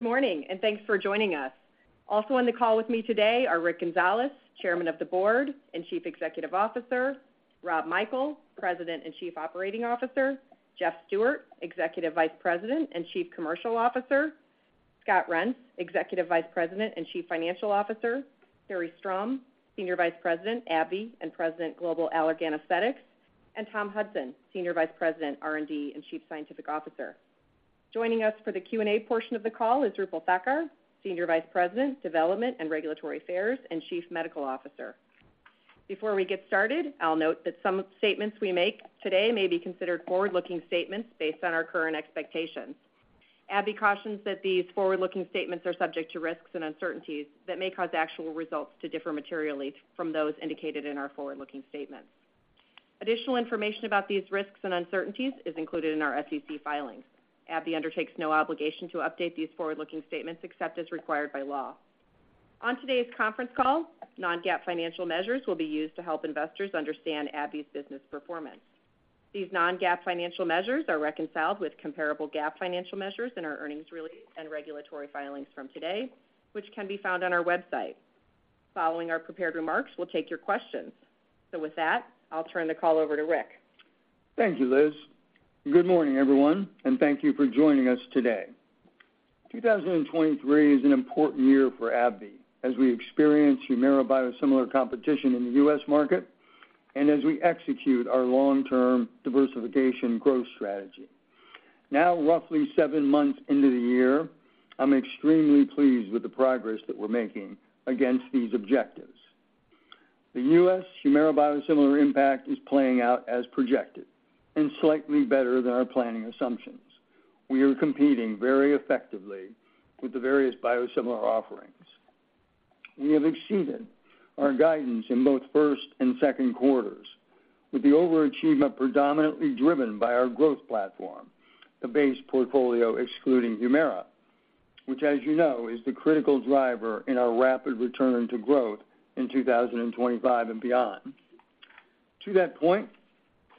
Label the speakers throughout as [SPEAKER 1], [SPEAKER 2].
[SPEAKER 1] Good morning. Thanks for joining us. Also on the call with me today are Rick Gonzalez, Chairman of the Board and Chief Executive Officer, Rob Michael, President and Chief Operating Officer, Jeffrey Stewart, Executive Vice President and Chief Commercial Officer, Scott Reents, Executive Vice President and Chief Financial Officer, Carrie Strom, Senior Vice President, AbbVie, and President, Global Allergan Aesthetics, and Tom Hudson, Senior Vice President, R&D, and Chief Scientific Officer. Joining us for the Q&A portion of the call is Roopal Thakkar, Senior Vice President, Development and Regulatory Affairs, and Chief Medical Officer. Before we get started, I'll note that some statements we make today may be considered forward-looking statements based on our current expectations. AbbVie cautions that these forward-looking statements are subject to risks and uncertainties that may cause actual results to differ materially from those indicated in our forward-looking statements. Additional information about these risks and uncertainties is included in our SEC filings. AbbVie undertakes no obligation to update these forward-looking statements except as required by law. On today's conference call, non-GAAP financial measures will be used to help investors understand AbbVie's business performance. These non-GAAP financial measures are reconciled with comparable GAAP financial measures in our earnings release and regulatory filings from today, which can be found on our website. Following our prepared remarks, we'll take your questions. With that, I'll turn the call over to Rick.
[SPEAKER 2] Thank you, Liz. Good morning, everyone. Thank you for joining us today. 2023 is an important year for AbbVie as we experience HUMIRA biosimilar competition in the U.S. market and as we execute our long-term diversification growth strategy. Now, roughly seven months into the year, I'm extremely pleased with the progress that we're making against these objectives. The U.S. HUMIRA biosimilar impact is playing out as projected and slightly better than our planning assumptions. We are competing very effectively with the various biosimilar offerings. We have exceeded our guidance in both first and second quarters, with the overachievement predominantly driven by our growth platform, the base portfolio excluding HUMIRA, which, as you know, is the critical driver in our rapid return to growth in 2025 and beyond. To that point,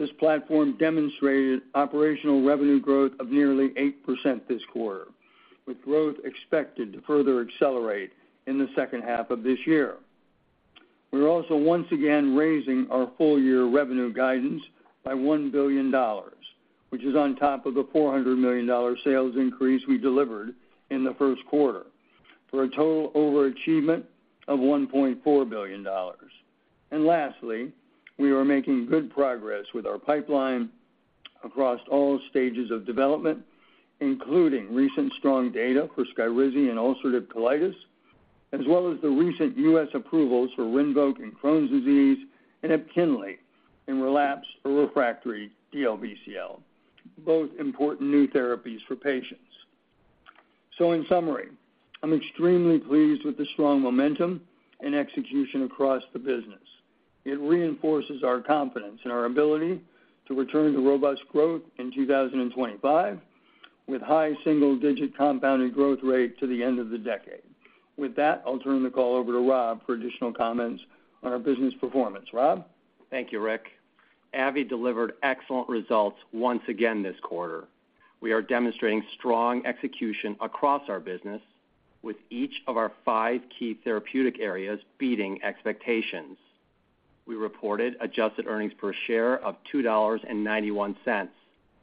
[SPEAKER 2] this platform demonstrated operational revenue growth of nearly 8% this quarter, with growth expected to further accelerate in the second half of this year. We're also once again raising our full-year revenue guidance by $1 billion, which is on top of the $400 million sales increase we delivered in the first quarter, for a total overachievement of $1.4 billion. Lastly, we are making good progress with our pipeline across all stages of development, including recent strong data for SKYRIZI and ulcerative colitis, as well as the recent U.S. approvals for RINVOQ in Crohn's disease and EPKINLY in relapse or refractory DLBCL, both important new therapies for patients. In summary, I'm extremely pleased with the strong momentum and execution across the business. It reinforces our confidence in our ability to return to robust growth in 2025, with high single-digit compounded growth rate to the end of the decade. With that, I'll turn the call over to Rob for additional comments on our business performance. Rob?
[SPEAKER 3] Thank you, Rick. AbbVie delivered excellent results once again this quarter. We are demonstrating strong execution across our business, with each of our five key therapeutic areas beating expectations. We reported adjusted earnings per share of $2.91,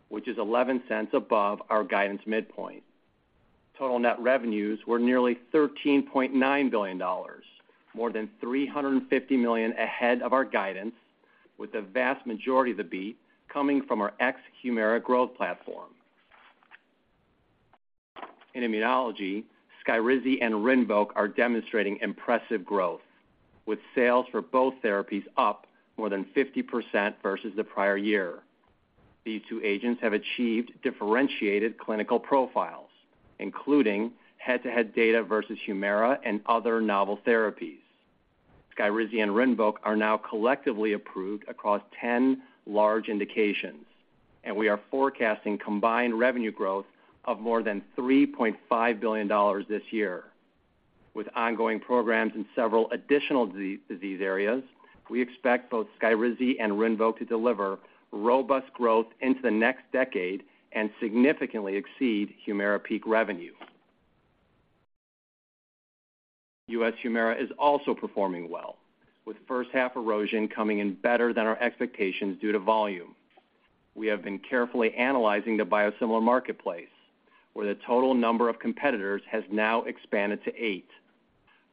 [SPEAKER 3] which is $0.11 above our guidance midpoint. Total net revenues were nearly $13.9 billion, more than $350 million ahead of our guidance, with the vast majority of the beat coming from our ex-HUMIRA growth platform. In Immunology, SKYRIZI and RINVOQ are demonstrating impressive growth, with sales for both therapies up more than 50% versus the prior year. These two agents have achieved differentiated clinical profiles, including head-to-head data versus HUMIRA and other novel therapies. SKYRIZI and RINVOQ are now collectively approved across 10 large indications. We are forecasting combined revenue growth of more than $3.5 billion this year. With ongoing programs in several additional disease areas, we expect both SKYRIZI and RINVOQ to deliver robust growth into the next decade and significantly exceed HUMIRA peak revenue. U.S. HUMIRA is also performing well, with first-half erosion coming in better than our expectations due to volume. We have been carefully analyzing the biosimilar marketplace, where the total number of competitors has now expanded to 8.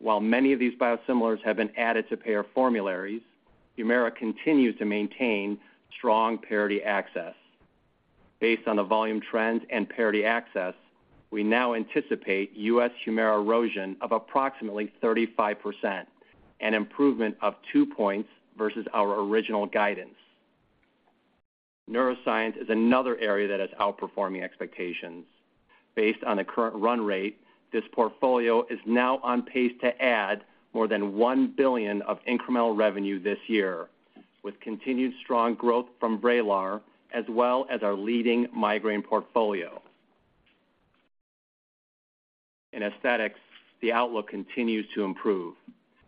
[SPEAKER 3] While many of these biosimilars have been added to payer formularies, HUMIRA continues to maintain strong parity access. Based on the volume trends and parity access, we now anticipate U.S. HUMIRA erosion of approximately 35%, an improvement of 2 points versus our original guidance. Neuroscience is another area that is outperforming expectations. Based on the current run rate, this portfolio is now on pace to add more than $1 billion of incremental revenue this year, with continued strong growth from VRAYLAR, as well as our leading migraine portfolio. In Aesthetics, the outlook continues to improve.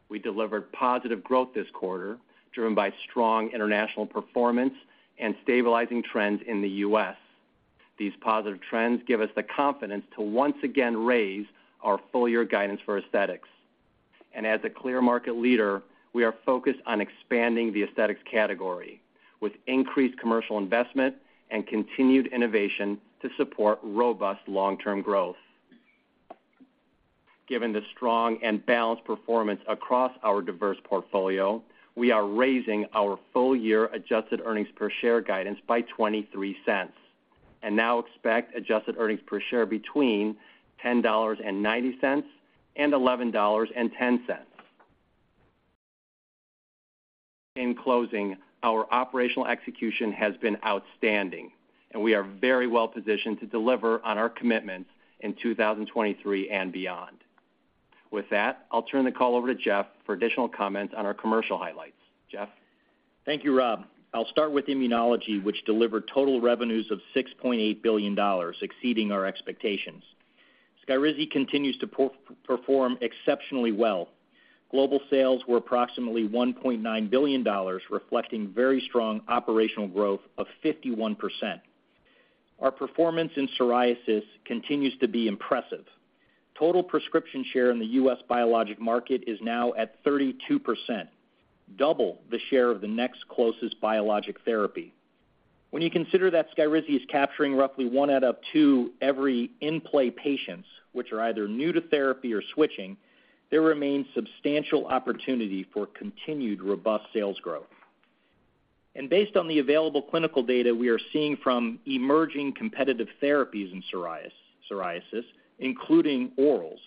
[SPEAKER 3] We delivered positive growth this quarter, driven by strong international performance and stabilizing trends in the U.S. These positive trends give us the confidence to once again raise our full-year guidance for Aesthetics. As a clear market leader, we are focused on expanding the Aesthetics category, with increased commercial investment and continued innovation to support robust long-term growth. Given the strong and balanced performance across our diverse portfolio, we are raising our full-year adjusted earnings per share guidance by $0.23, and now expect adjusted earnings per share between $10.90 and $11.10. In closing, our operational execution has been outstanding, and we are very well positioned to deliver on our commitments in 2023 and beyond. With that, I'll turn the call over to Jeff for additional comments on our commercial highlights. Jeff?
[SPEAKER 4] Thank you, Rob. I'll start with immunology, which delivered total revenues of $6.8 billion, exceeding our expectations. SKYRIZI continues to perform exceptionally well. Global sales were approximately $1.9 billion, reflecting very strong operational growth of 51%. Our performance in psoriasis continues to be impressive. Total prescription share in the U.S. biologic market is now at 32%, double the share of the next closest biologic therapy. When you consider that SKYRIZI is capturing roughly 1 out of 2 every in-play patients, which are either new to therapy or switching, there remains substantial opportunity for continued robust sales growth. Based on the available clinical data we are seeing from emerging competitive therapies in psoriasis, including orals,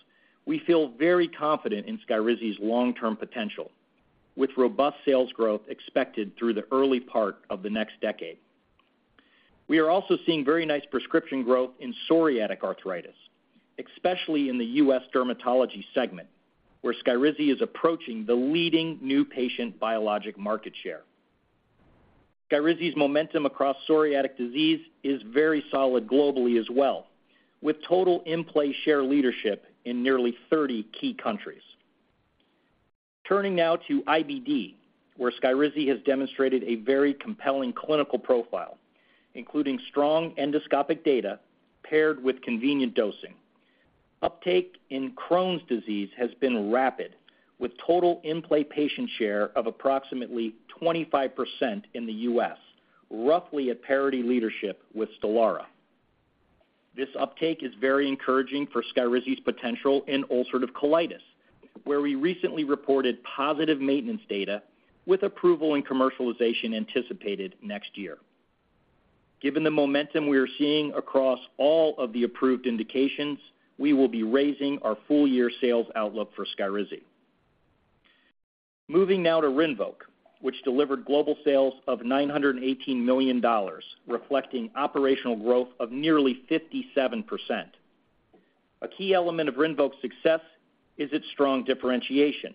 [SPEAKER 4] we feel very confident in SKYRIZI's long-term potential, with robust sales growth expected through the early part of the next decade. We are also seeing very nice prescription growth in psoriatic arthritis, especially in the U.S. dermatology segment, where Skyrizi is approaching the leading new patient biologic market share. Skyrizi's momentum across psoriatic disease is very solid globally as well, with total in-play share leadership in nearly 30 key countries. Turning now to IBD, where Skyrizi has demonstrated a very compelling clinical profile, including strong endoscopic data paired with convenient dosing. Uptake in Crohn's disease has been rapid, with total in-play patient share of approximately 25% in the U.S., roughly at parity leadership with STELARA.This uptake is very encouraging for Skyrizi's potential in ulcerative colitis, where we recently reported positive maintenance data with approval and commercialization anticipated next year. Given the momentum we are seeing across all of the approved indications, we will be raising our full-year sales outlook for Skyrizi. Moving now to RINVOQ, which delivered global sales of $918 million, reflecting operational growth of nearly 57%. A key element of RINVOQ's success is its strong differentiation.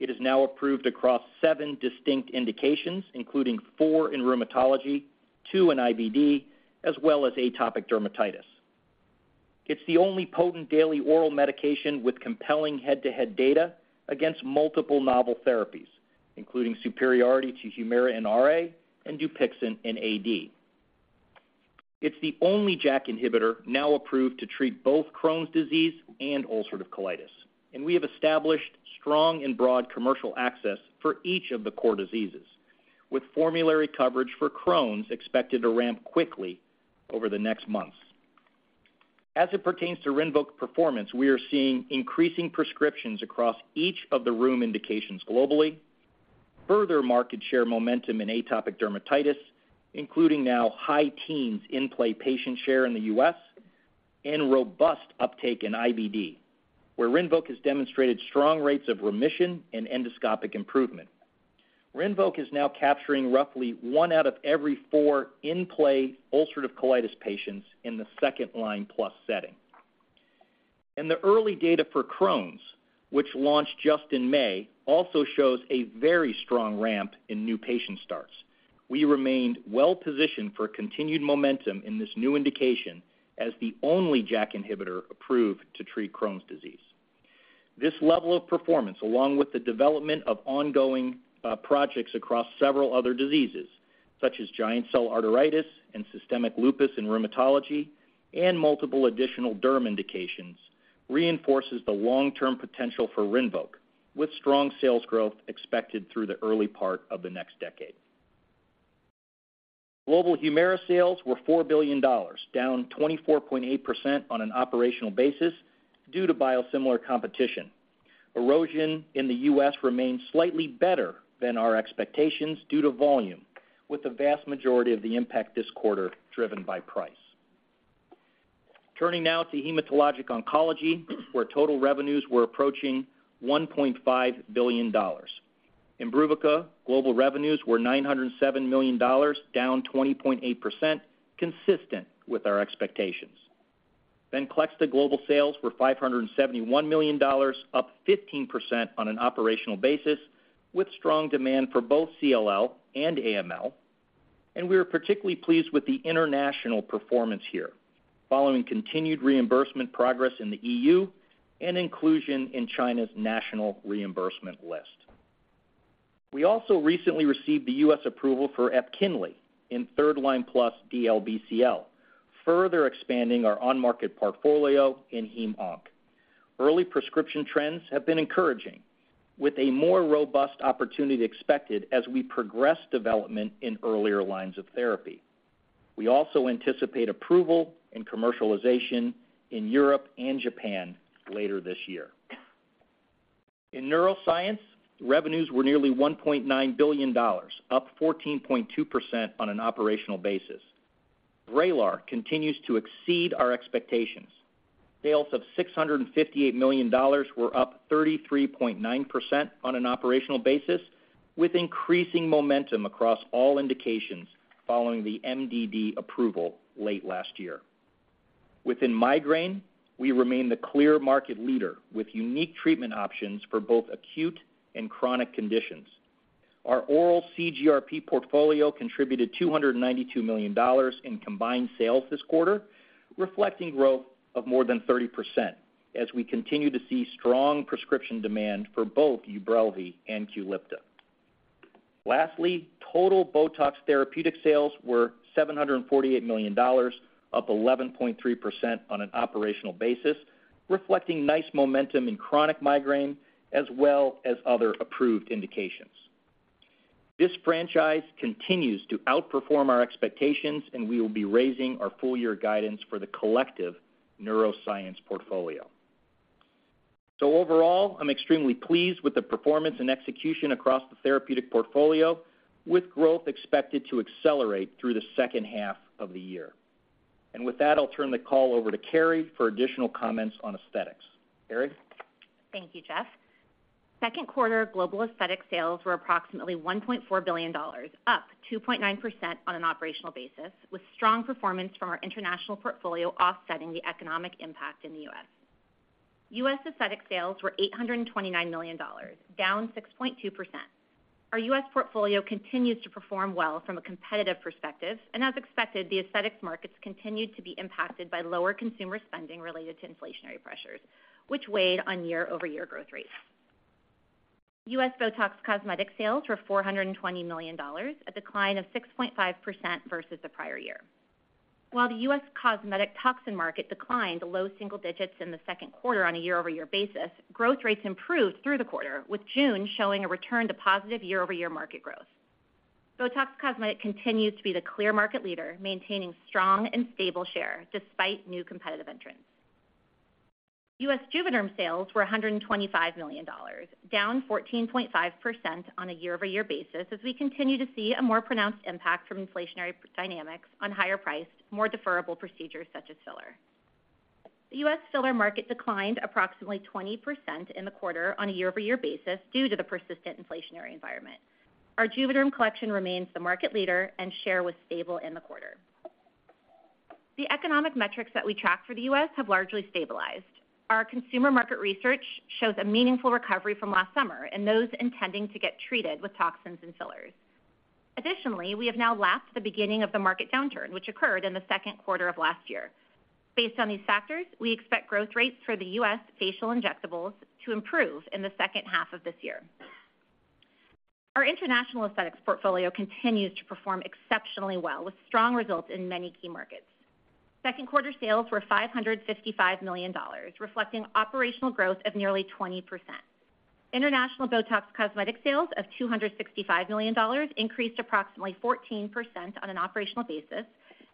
[SPEAKER 4] It is now approved across seven distinct indications, including four in rheumatology, two in IBD, as well as atopic dermatitis. It's the only potent daily oral medication with compelling head-to-head data against multiple novel therapies, including superiority to HUMIRA and RA and DUPIXENT and AD. It's the only JAK inhibitor now approved to treat both Crohn's disease and ulcerative colitis. We have established strong and broad commercial access for each of the core diseases, with formulary coverage for Crohn's expected to ramp quickly over the next months. As it pertains to RINVOQ performance, we are seeing increasing prescriptions across each of the RA indications globally, further market share momentum in atopic dermatitis, including now high teens in play patient share in the US, and robust uptake in IBD, where RINVOQ has demonstrated strong rates of remission and endoscopic improvement. RINVOQ is now capturing roughly one out of every four in-play ulcerative colitis patients in the second-line plus setting. The early data for Crohn's, which launched just in May, also shows a very strong ramp in new patient starts. We remained well positioned for continued momentum in this new indication as the only JAK inhibitor approved to treat Crohn's disease. This level of performance, along with the development of ongoing projects across several other diseases, such as giant cell arteritis and systemic lupus in rheumatology and multiple additional derm indications, reinforces the long-term potential for RINVOQ, with strong sales growth expected through the early part of the next decade. Global HUMIRA sales were $4 billion, down 24.8% on an operational basis due to biosimilar competition. Erosion in the U.S. remains slightly better than our expectations due to volume, with the vast majority of the impact this quarter driven by price. Turning now to hematologic oncology, where total revenues were approaching $1.5 billion. IMBRUVICA global revenues were $907 million, down 20.8%, consistent with our expectations. VENCLEXTA global sales were $571 million, up 15% on an operational basis, with strong demand for both CLL and AML. We are particularly pleased with the international performance here, following continued reimbursement progress in the EU and inclusion in China's national reimbursement list. We also recently received the U.S. approval for EPKINLY in third line plus DLBCL, further expanding our on-market portfolio in heme onc. Early prescription trends have been encouraging, with a more robust opportunity expected as we progress development in earlier lines of therapy. We also anticipate approval and commercialization in Europe and Japan later this year. In neuroscience, revenues were nearly $1.9 billion, up 14.2% on an operational basis. VRAYLAR continues to exceed our expectations. Sales of $658 million were up 33.9% on an operational basis, with increasing momentum across all indications following the MDD approval late last year. Within migraine, we remain the clear market leader, with unique treatment options for both acute and chronic conditions. Our oral CGRP portfolio contributed $292 million in combined sales this quarter, reflecting growth of more than 30% as we continue to see strong prescription demand for both UBRELVY and QULIPTA. Lastly, total Botox Therapeutic sales were $748 million, up 11.3% on an operational basis, reflecting nice momentum in chronic migraine as well as other approved indications. This franchise continues to outperform our expectations. We will be raising our full year guidance for the collective neuroscience portfolio. Overall, I'm extremely pleased with the performance and execution across the therapeutic portfolio, with growth expected to accelerate through the second half of the year. With that, I'll turn the call over to Carrie for additional comments on aesthetics. Carrie?
[SPEAKER 1] Thank you, Jeff. Q2 global aesthetic sales were approximately $1.4 billion, up 2.9% on an operational basis, with strong performance from our international portfolio offsetting the economic impact in the U.S. U.S. aesthetic sales were $829 million, down 6.2%. Our U.S. portfolio continues to perform well from a competitive perspective, as expected, the aesthetics markets continued to be impacted by lower consumer spending related to inflationary pressures, which weighed on year-over-year growth rates. U.S. Botox Cosmetic sales were $420 million, a decline of 6.5% versus the prior year. While the U.S. cosmetic toxin market declined to low single digits in the second quarter on a year-over-year basis, growth rates improved through the quarter, with June showing a return to positive year-over-year market growth. BOTOX Cosmetic continues to be the clear market leader, maintaining strong and stable share despite new competitive entrants. U.S. Juvederm sales were $125 million, down 14.5% on a year-over-year basis, as we continue to see a more pronounced impact from inflationary dynamics on higher priced, more deferrable procedures such as filler. The U.S. filler market declined approximately 20% in the quarter on a year-over-year basis due to the persistent inflationary environment. Our Juvederm collection remains the market leader and share was stable in the quarter. The economic metrics that we track for the U.S. have largely stabilized. Our consumer market research shows a meaningful recovery from last summer and those intending to get treated with toxins and fillers. Additionally, we have now lapped the beginning of the market downturn, which occurred in the second quarter of last year. Based on these factors, we expect growth rates for the U.S. facial injectables to improve in the second half of this year. Our international aesthetics portfolio continues to perform exceptionally well, with strong results in many key markets. Second quarter sales were $555 million, reflecting operational growth of nearly 20%. International Botox Cosmetic sales of $265 million increased approximately 14% on an operational basis,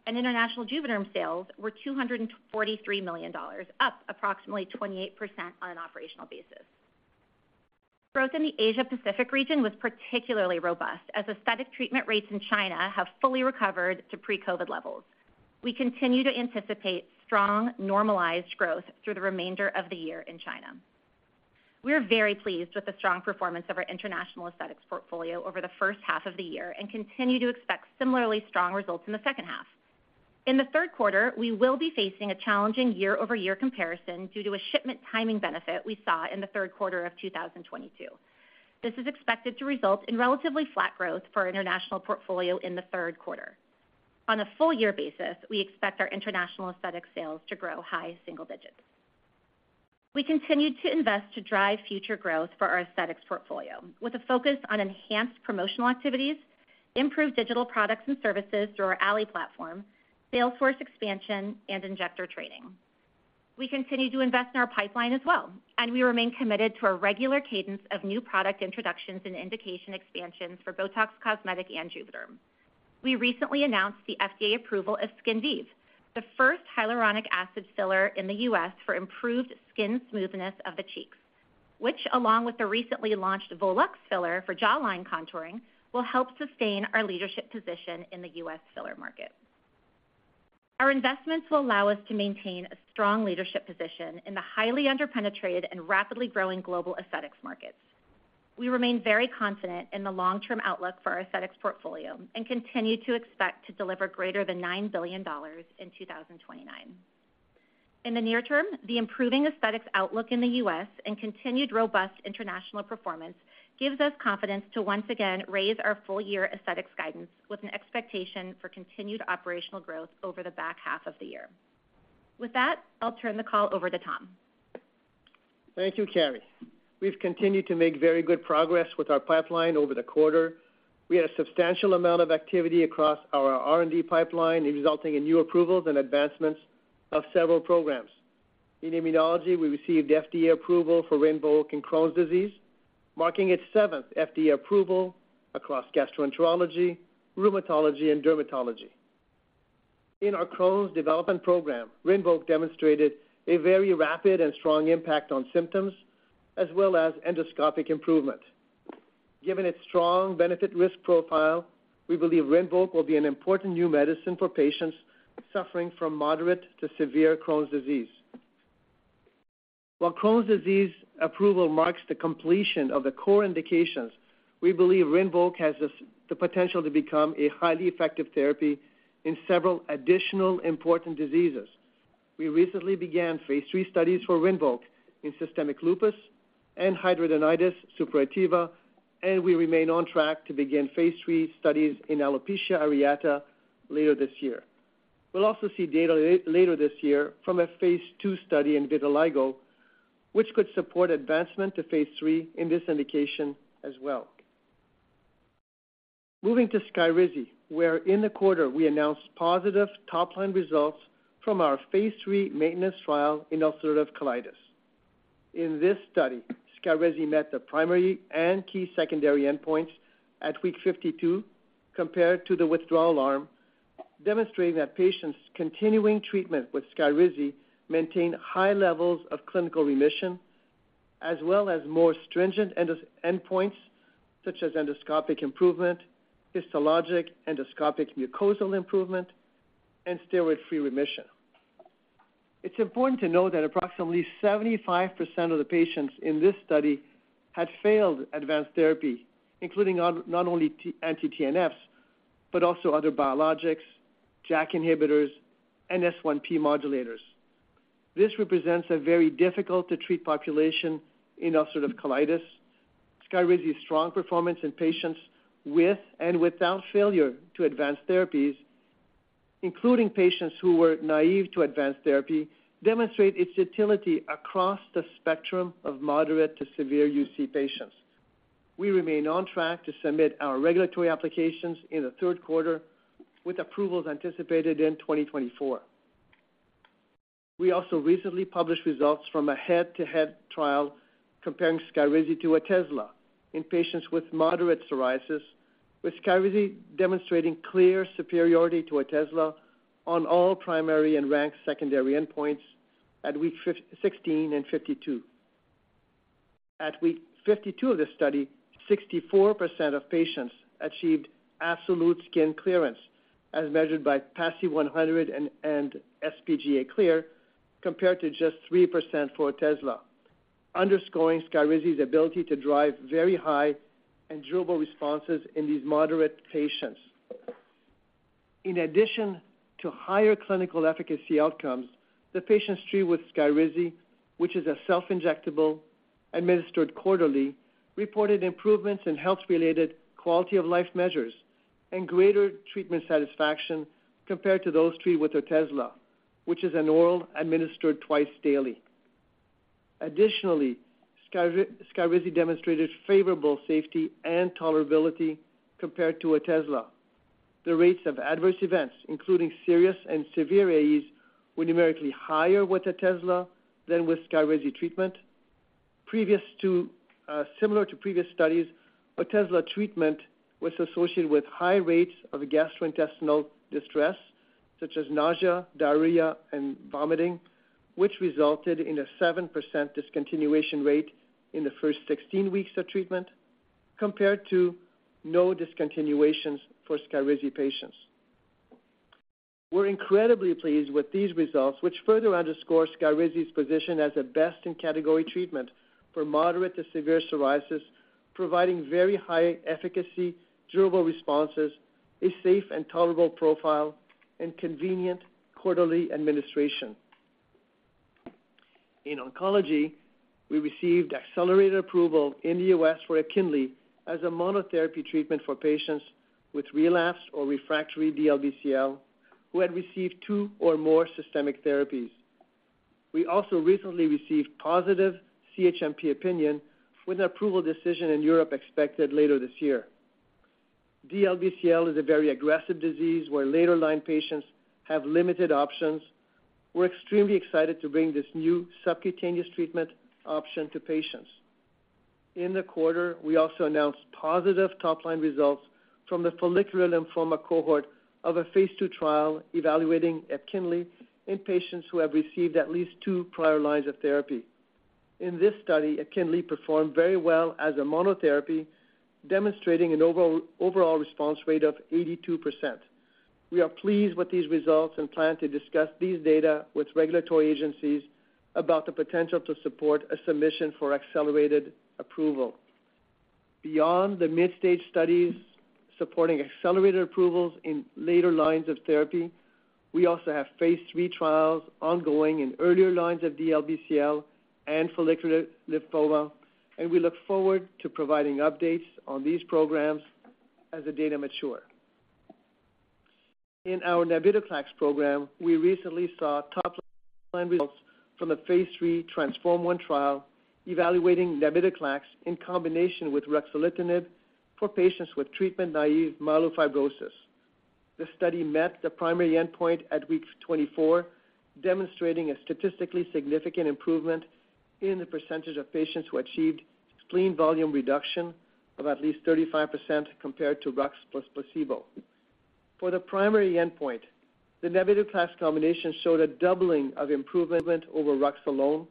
[SPEAKER 1] and international Juvederm sales were $243 million, up approximately 28% on an operational basis. Growth in the Asia Pacific region was particularly robust, as aesthetic treatment rates in China have fully recovered to pre-COVID levels. We continue to anticipate strong, normalized growth through the remainder of the year in China. We are very pleased with the strong performance of our international aesthetics portfolio over the first half of the year and continue to expect similarly strong results in the second half. In the third quarter, we will be facing a challenging year-over-year comparison due to a shipment timing benefit we saw in the third quarter of 2022. This is expected to result in relatively flat growth for our international portfolio in the third quarter. On a full year basis, we expect our international aesthetic sales to grow high single digits. We continued to invest to drive future growth for our aesthetics portfolio, with a focus on enhanced promotional activities, improved digital products and services through our Allē platform, sales force expansion, and injector training. We continue to invest in our pipeline as well, and we remain committed to a regular cadence of new product introductions and indication expansions for Botox Cosmetic and Juvederm. We recently announced the FDA approval of SKINVIVE, the first hyaluronic acid filler in the US for improved skin smoothness of the cheeks, which, along with the recently launched VOLUX filler for jawline contouring, will help sustain our leadership position in the US filler market. Our investments will allow us to maintain a strong leadership position in the highly underpenetrated and rapidly growing global aesthetics markets. We remain very confident in the long-term outlook for our aesthetics portfolio and continue to expect to deliver greater than $9 billion in 2029. In the near term, the improving aesthetics outlook in the U.S. and continued robust international performance gives us confidence to once again raise our full-year aesthetics guidance with an expectation for continued operational growth over the back half of the year. With that, I'll turn the call over to Tom.
[SPEAKER 5] Thank you, Carrie. We've continued to make very good progress with our pipeline over the quarter. We had a substantial amount of activity across our R&D pipeline, resulting in new approvals and advancements of several programs. In immunology, we received FDA approval for RINVOQ in Crohn's disease, marking its seventh FDA approval across gastroenterology, rheumatology, and dermatology. In our Crohn's development program, RINVOQ demonstrated a very rapid and strong impact on symptoms as well as endoscopic improvement. Given its strong benefit-risk profile, we believe RINVOQ will be an important new medicine for patients suffering from moderate to severe Crohn's disease. While Crohn's disease approval marks the completion of the core indications, we believe RINVOQ has the potential to become a highly effective therapy in several additional important diseases. We recently began phase III studies for RINVOQ in systemic lupus and hidradenitis suppurativa, and we remain on track to begin phase III studies in alopecia areata later this year. We'll also see data later this year from a phase II study in vitiligo, which could support advancement to phase III in this indication as well. Moving to SKYRIZI, where in the quarter, we announced positive top-line results from our phase III maintenance trial in ulcerative colitis. In this study, SKYRIZI met the primary and key secondary endpoints at week 52 compared to the withdrawal arm, demonstrating that patients continuing treatment with SKYRIZI maintain high levels of clinical remission, as well as more stringent endpoints, such as endoscopic improvement, histologic endoscopic mucosal improvement, and steroid-free remission. It's important to note that approximately 75% of the patients in this study had failed advanced therapy, including not only anti-TNFs, but also other biologics, JAK inhibitors, and S1P modulators. This represents a very difficult-to-treat population in ulcerative colitis. SKYRIZI's strong performance in patients with and without failure to advanced therapies, including patients who were naive to advanced therapy, demonstrate its utility across the spectrum of moderate to severe UC patients. We remain on track to submit our regulatory applications in the third quarter, with approvals anticipated in 2024. We also recently published results from a head-to-head trial comparing SKYRIZI to Otezla in patients with moderate psoriasis, with SKYRIZI demonstrating clear superiority to Otezla on all primary and ranked secondary endpoints at week 16 and 52. At week 52 of this study, 64% of patients achieved absolute skin clearance, as measured by PASI 100 and SPGA clear, compared to just 3% for Otezla, underscoring SKYRIZI's ability to drive very high and durable responses in these moderate patients. In addition to higher clinical efficacy outcomes, the patients treated with SKYRIZI, which is a self-injectable, administered quarterly, reported improvements in health-related quality of life measures and greater treatment satisfaction compared to those treated with Otezla, which is an oral administered twice daily. Additionally, SKYRIZI demonstrated favorable safety and tolerability compared to Otezla. The rates of adverse events, including serious and severe AEs, were numerically higher with Otezla than with SKYRIZI treatment. Previous to, similar to previous studies, Otezla treatment was associated with high rates of gastrointestinal distress, such as nausea, diarrhea, and vomiting, which resulted in a 7% discontinuation rate in the first 16 weeks of treatment, compared to no discontinuations for SKYRIZI patients. We're incredibly pleased with these results, which further underscore SKYRIZI's position as a best-in-category treatment for moderate to severe psoriasis, providing very high efficacy, durable responses, a safe and tolerable profile, and convenient quarterly administration. In oncology, we received accelerated approval in the US for EPKINLY as a monotherapy treatment for patients with relapsed or refractory DLBCL, who had received 2 or more systemic therapies. We also recently received positive CHMP opinion, with an approval decision in Europe expected later this year. DLBCL is a very aggressive disease where later-line patients have limited options. We're extremely excited to bring this new subcutaneous treatment option to patients. In the quarter, we also announced positive top-line results from the follicular lymphoma cohort of a phase II trial evaluating EPKINLY in patients who have received at least two prior lines of therapy. In this study, EPKINLY performed very well as a monotherapy, demonstrating an overall response rate of 82%. We are pleased with these results and plan to discuss these data with regulatory agencies about the potential to support a submission for accelerated approval. Beyond the mid-stage studies supporting accelerated approvals in later lines of therapy, we also have phase III trials ongoing in earlier lines of DLBCL and follicular lymphoma, and we look forward to providing updates on these programs as the data mature. In our Navitoclax program, we recently saw top-line results from the phase III TRANSFORM-1 trial, evaluating Navitoclax in combination with ruxolitinib for patients with treatment-naive myelofibrosis. The study met the primary endpoint at week 24, demonstrating a statistically significant improvement in the percentage of patients who achieved spleen volume reduction of at least 35% compared to RUX plus placebo. For the primary endpoint, the Navitoclax combination showed a doubling of improvement over RUX alone,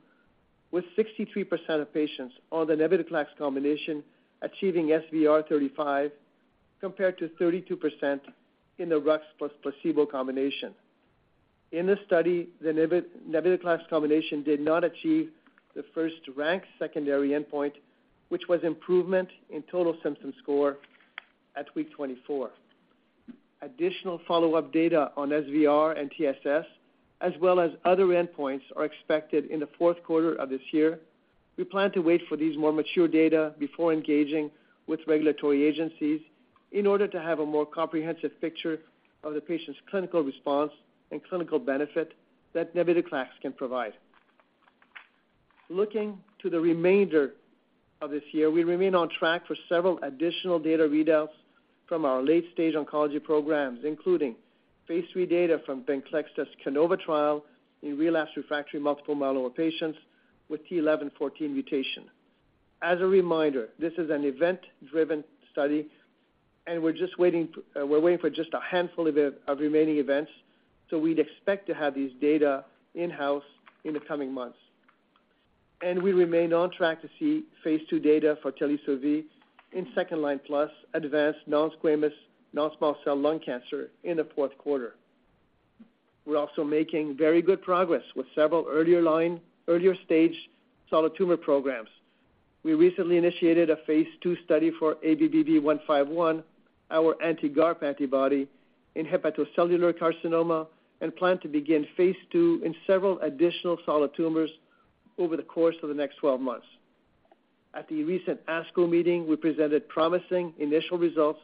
[SPEAKER 5] with 63% of patients on the Navitoclax combination achieving SVR35, compared to 32% in the RUX plus placebo combination. In this study, the Navitoclax combination did not achieve the first-rank secondary endpoint, which was improvement in total symptom score at week 24. Additional follow-up data on SVR and TSS, as well as other endpoints, are expected in the fourth quarter of this year. We plan to wait for these more mature data before engaging with regulatory agencies in order to have a more comprehensive picture of the patient's clinical response and clinical benefit that Navitoclax can provide. Looking to the remainder of this year, we remain on track for several additional data readouts from our late-stage oncology programs, including phase III data from Venclexta's CANOVA trial in relapsed refractory multiple myeloma patients with t(11;14) mutation. As a reminder, this is an event-driven study, we're waiting for just a handful of remaining events, we'd expect to have these data in-house in the coming months. We remain on track to see phase II data for telisotuzumab vedotin in second-line plus advanced non-squamous, non-small cell lung cancer in the fourth quarter. We're also making very good progress with several earlier line, earlier stage solid tumor programs. We recently initiated a Phase II study for ABBV-151, our anti-GARP antibody, in hepatocellular carcinoma, plan to begin Phase II in several additional solid tumors over the course of the next 12 months. At the recent ASCO meeting, we presented promising initial results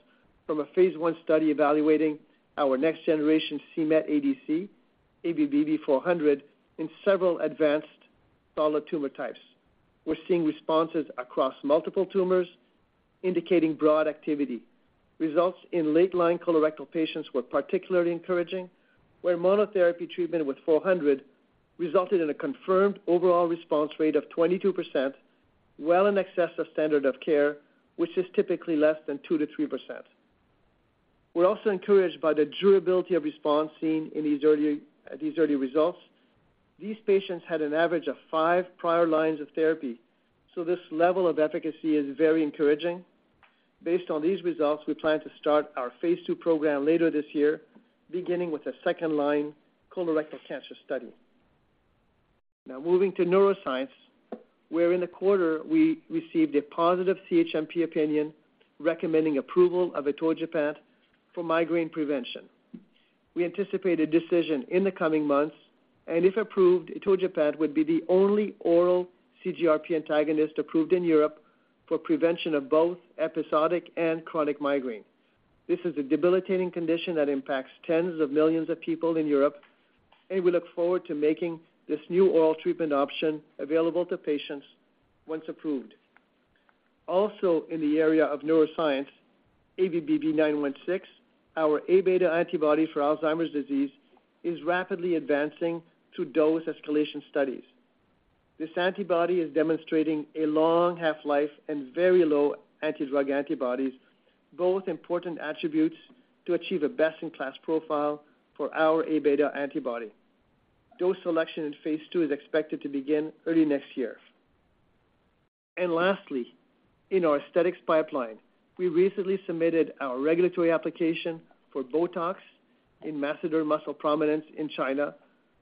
[SPEAKER 5] from a Phase I study evaluating our next-generation c-Met ADC, ABBV-400, in several advanced solid tumor types. We're seeing responses across multiple tumors, indicating broad activity. Results in late-line colorectal patients were particularly encouraging, where monotherapy treatment with 400 resulted in a confirmed overall response rate of 22%, well in excess of standard of care, which is typically less than 2%-3%. We're also encouraged by the durability of response seen in these early results. These patients had an average of five prior lines of therapy, this level of efficacy is very encouraging. Based on these results, we plan to start our phase II program later this year, beginning with a second-line colorectal cancer study. Moving to neuroscience, where in the quarter we received a positive CHMP opinion recommending approval of atogepant for migraine prevention. We anticipate a decision in the coming months, and if approved, atogepant would be the only oral CGRP antagonist approved in Europe for prevention of both episodic and chronic migraine. This is a debilitating condition that impacts tens of millions of people in Europe, and we look forward to making this new oral treatment option available to patients once approved. In the area of neuroscience, ABBV-916, our A-beta antibody for Alzheimer's disease, is rapidly advancing to dose escalation studies. This antibody is demonstrating a long half-life and very low anti-drug antibodies, both important attributes to achieve a best-in-class profile for our A-beta antibody. Dose selection in phase II is expected to begin early next year. Lastly, in our aesthetics pipeline, we recently submitted our regulatory application for Botox in masseter muscle prominence in China,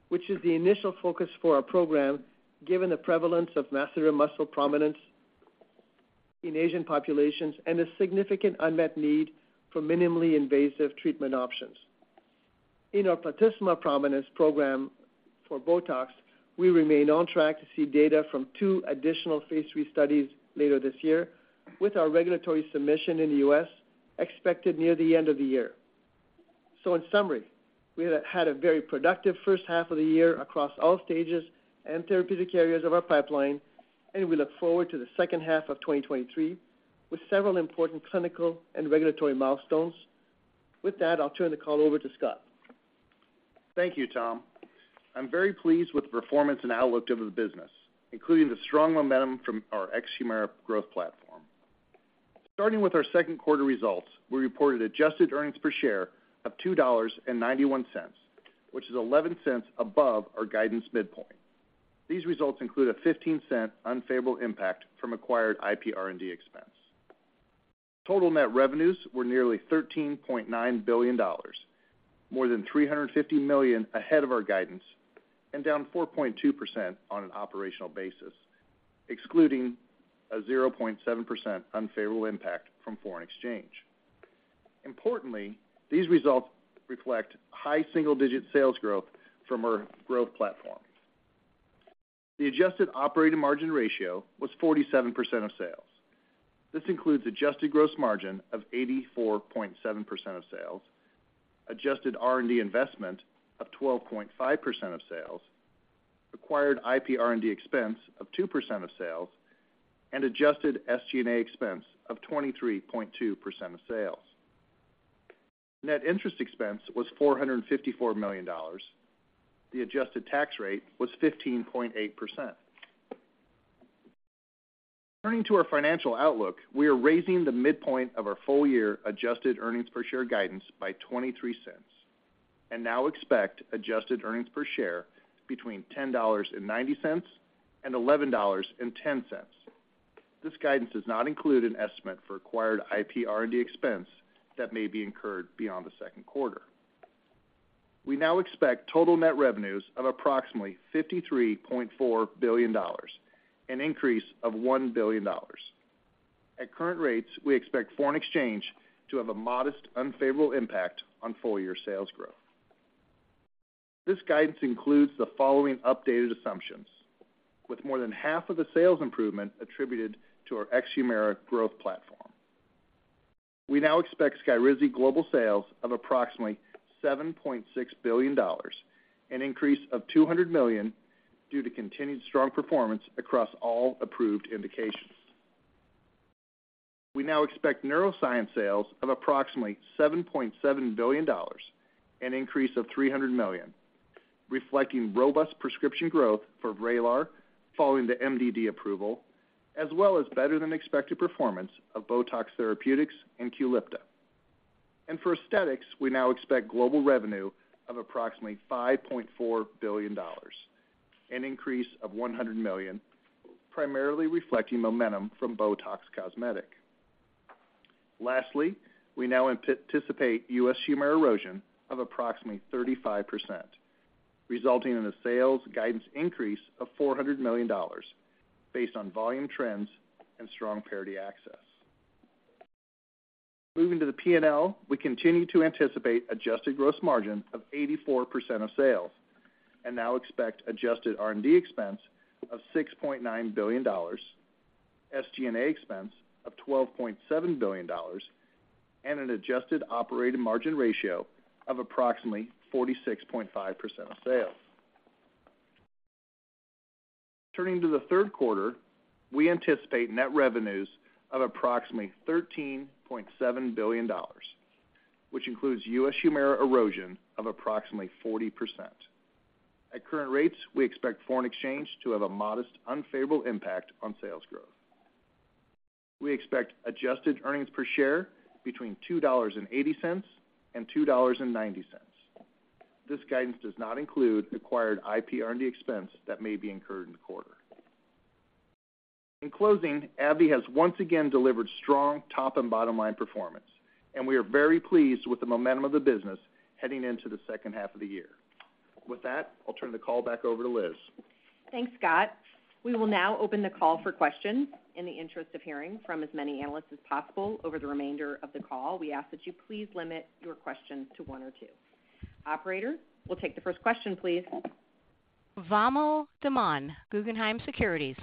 [SPEAKER 5] which is the initial focus for our program, given the prevalence of masseter muscle prominence in Asian populations and a significant unmet need for minimally invasive treatment options. In our platysma prominence program for Botox, we remain on track to see data from two additional phase III studies later this year, with our regulatory submission in the U.S. expected near the end of the year. In summary, we had a very productive first half of the year across all stages and therapeutic areas of our pipeline, and we look forward to the second half of 2023 with several important clinical and regulatory milestones. With that, I'll turn the call over to Scott.
[SPEAKER 6] Thank you, Tom. I'm very pleased with the performance and outlook of the business, including the strong momentum from our ex-Humira growth platform. Starting with our second quarter results, we reported adjusted earnings per share of $2.91, which is $0.11 above our guidance midpoint. These results include a $0.15 unfavorable impact from acquired IP R&D expense. Total net revenues were nearly $13.9 billion, more than $350 million ahead of our guidance, and down 4.2% on an operational basis, excluding a 0.7% unfavorable impact from foreign exchange. Importantly, these results reflect high single-digit sales growth from our growth platforms. The adjusted operating margin ratio was 47% of sales. This includes adjusted gross margin of 84.7% of sales, adjusted R&D investment of 12.5% of sales, acquired IP R&D expense of 2% of sales, and adjusted SG&A expense of 23.2% of sales. Net interest expense was $454 million. The adjusted tax rate was 15.8%. Turning to our financial outlook, we are raising the midpoint of our full-year adjusted earnings per share guidance by $0.23 and now expect adjusted earnings per share between $10.90 and $11.10. This guidance does not include an estimate for acquired IP R&D expense that may be incurred beyond the second quarter. We now expect total net revenues of approximately $53.4 billion, an increase of $1 billion. At current rates, we expect foreign exchange to have a modest, unfavorable impact on full-year sales growth. This guidance includes the following updated assumptions, with more than half of the sales improvement attributed to our ex-HUMIRA growth platform. We now expect SKYRIZI global sales of approximately $7.6 billion, an increase of $200 million, due to continued strong performance across all approved indications. We now expect Neuroscience sales of approximately $7.7 billion, an increase of $300 million, reflecting robust prescription growth for VRAYLAR following the MDD approval, as well as better-than-expected performance of BOTOX Therapeutic and QULIPTA. For Aesthetics, we now expect global revenue of approximately $5.4 billion, an increase of $100 million, primarily reflecting momentum from BOTOX Cosmetic. Lastly, we now anticipate U.S. HUMIRA erosion of approximately 35%, resulting in a sales guidance increase of $400 million based on volume trends and strong parity access. Moving to the P&L, we continue to anticipate adjusted gross margin of 84% of sales and now expect adjusted R&D expense of $6.9 billion, SG&A expense of $12.7 billion, and an adjusted operating margin ratio of approximately 46.5% of sales. Turning to the Q3, we anticipate net revenues of approximately $13.7 billion, which includes U.S. HUMIRA erosion of approximately 40%. At current rates, we expect foreign exchange to have a modest, unfavorable impact on sales growth. We expect adjusted earnings per share between $2.80 and $2.90. This guidance does not include acquired IP R&D expense that may be incurred in the quarter. In closing, AbbVie has once again delivered strong top and bottom line performance, and we are very pleased with the momentum of the business heading into the second half of the year. With that, I'll turn the call back over to Liz.
[SPEAKER 1] Thanks, Scott. We will now open the call for questions. In the interest of hearing from as many analysts as possible over the remainder of the call, we ask that you please limit your questions to one or two. Operator, we'll take the first question, please.
[SPEAKER 7] Vamil Divan, Guggenheim Securities.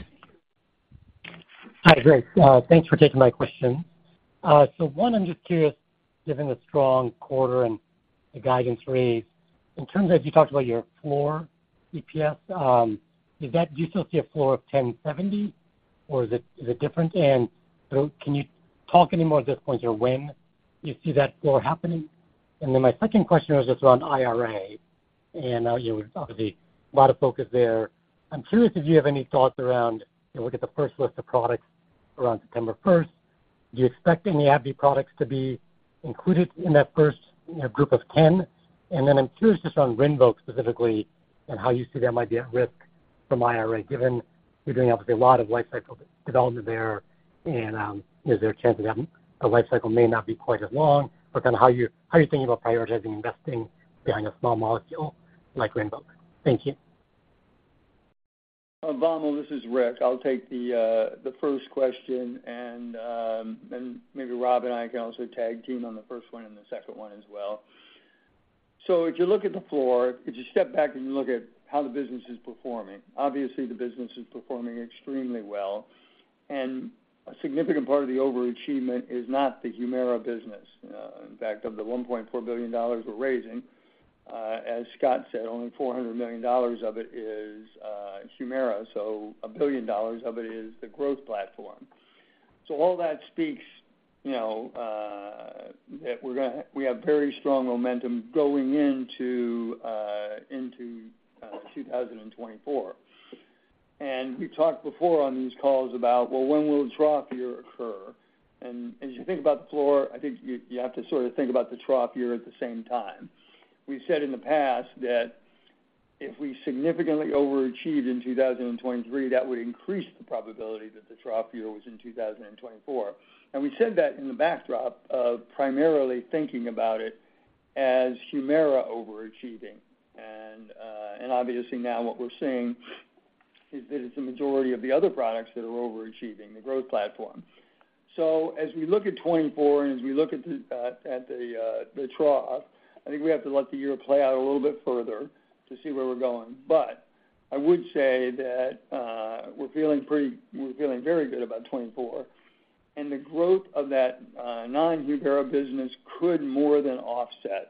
[SPEAKER 8] Hi, great. Thanks for taking my question. One, I'm just curious, given the strong quarter and the guidance raise, in terms of, you talked about your floor EPS, is that, do you still see a floor of $10.70, or is it different? Can you talk anymore at this point, or when you see that floor happening? My second question is just around IRA, and, you know, obviously, a lot of focus there. I'm curious if you have any thoughts around, you know, we'll get the first list of products around September 1st. Do you expect any AbbVie products to be included in that first, you know, group of 10? I'm curious just on RINVOQ specifically and how you see there might be at risk from IRA, given you're doing obviously a lot of life cycle development there, and, is there a chance that a life cycle may not be quite as long? How are you thinking about prioritizing investing behind a small molecule like RINVOQ? Thank you.
[SPEAKER 2] Vamil, this is Rick. I'll take the first question, and maybe Rob and I can also tag team on the first one and the second one as well. If you look at the floor, if you step back and you look at how the business is performing, obviously, the business is performing extremely well, and a significant part of the overachievement is not the HUMIRA business. In fact, of the $1.4 billion we're raising, as Scott said, only $400 million of it is HUMIRA, so $1 billion of it is the growth platform. All that speaks, you know, that we have very strong momentum going into 2024. We've talked before on these calls about, well, when will a trough year occur? As you think about the floor, I think you have to sort of think about the trough year at the same time. We said in the past that... if we significantly overachieved in 2023, that would increase the probability that the trough year was in 2024. We said that in the backdrop of primarily thinking about it as HUMIRA overachieving. Obviously now what we're seeing is that it's the majority of the other products that are overachieving, the growth platform. As we look at 2024, and as we look at the, at the, the trough, I think we have to let the year play out a little bit further to see where we're going. I would say that we're feeling very good about 2024, and the growth of that non-HUMIRA business could more than offset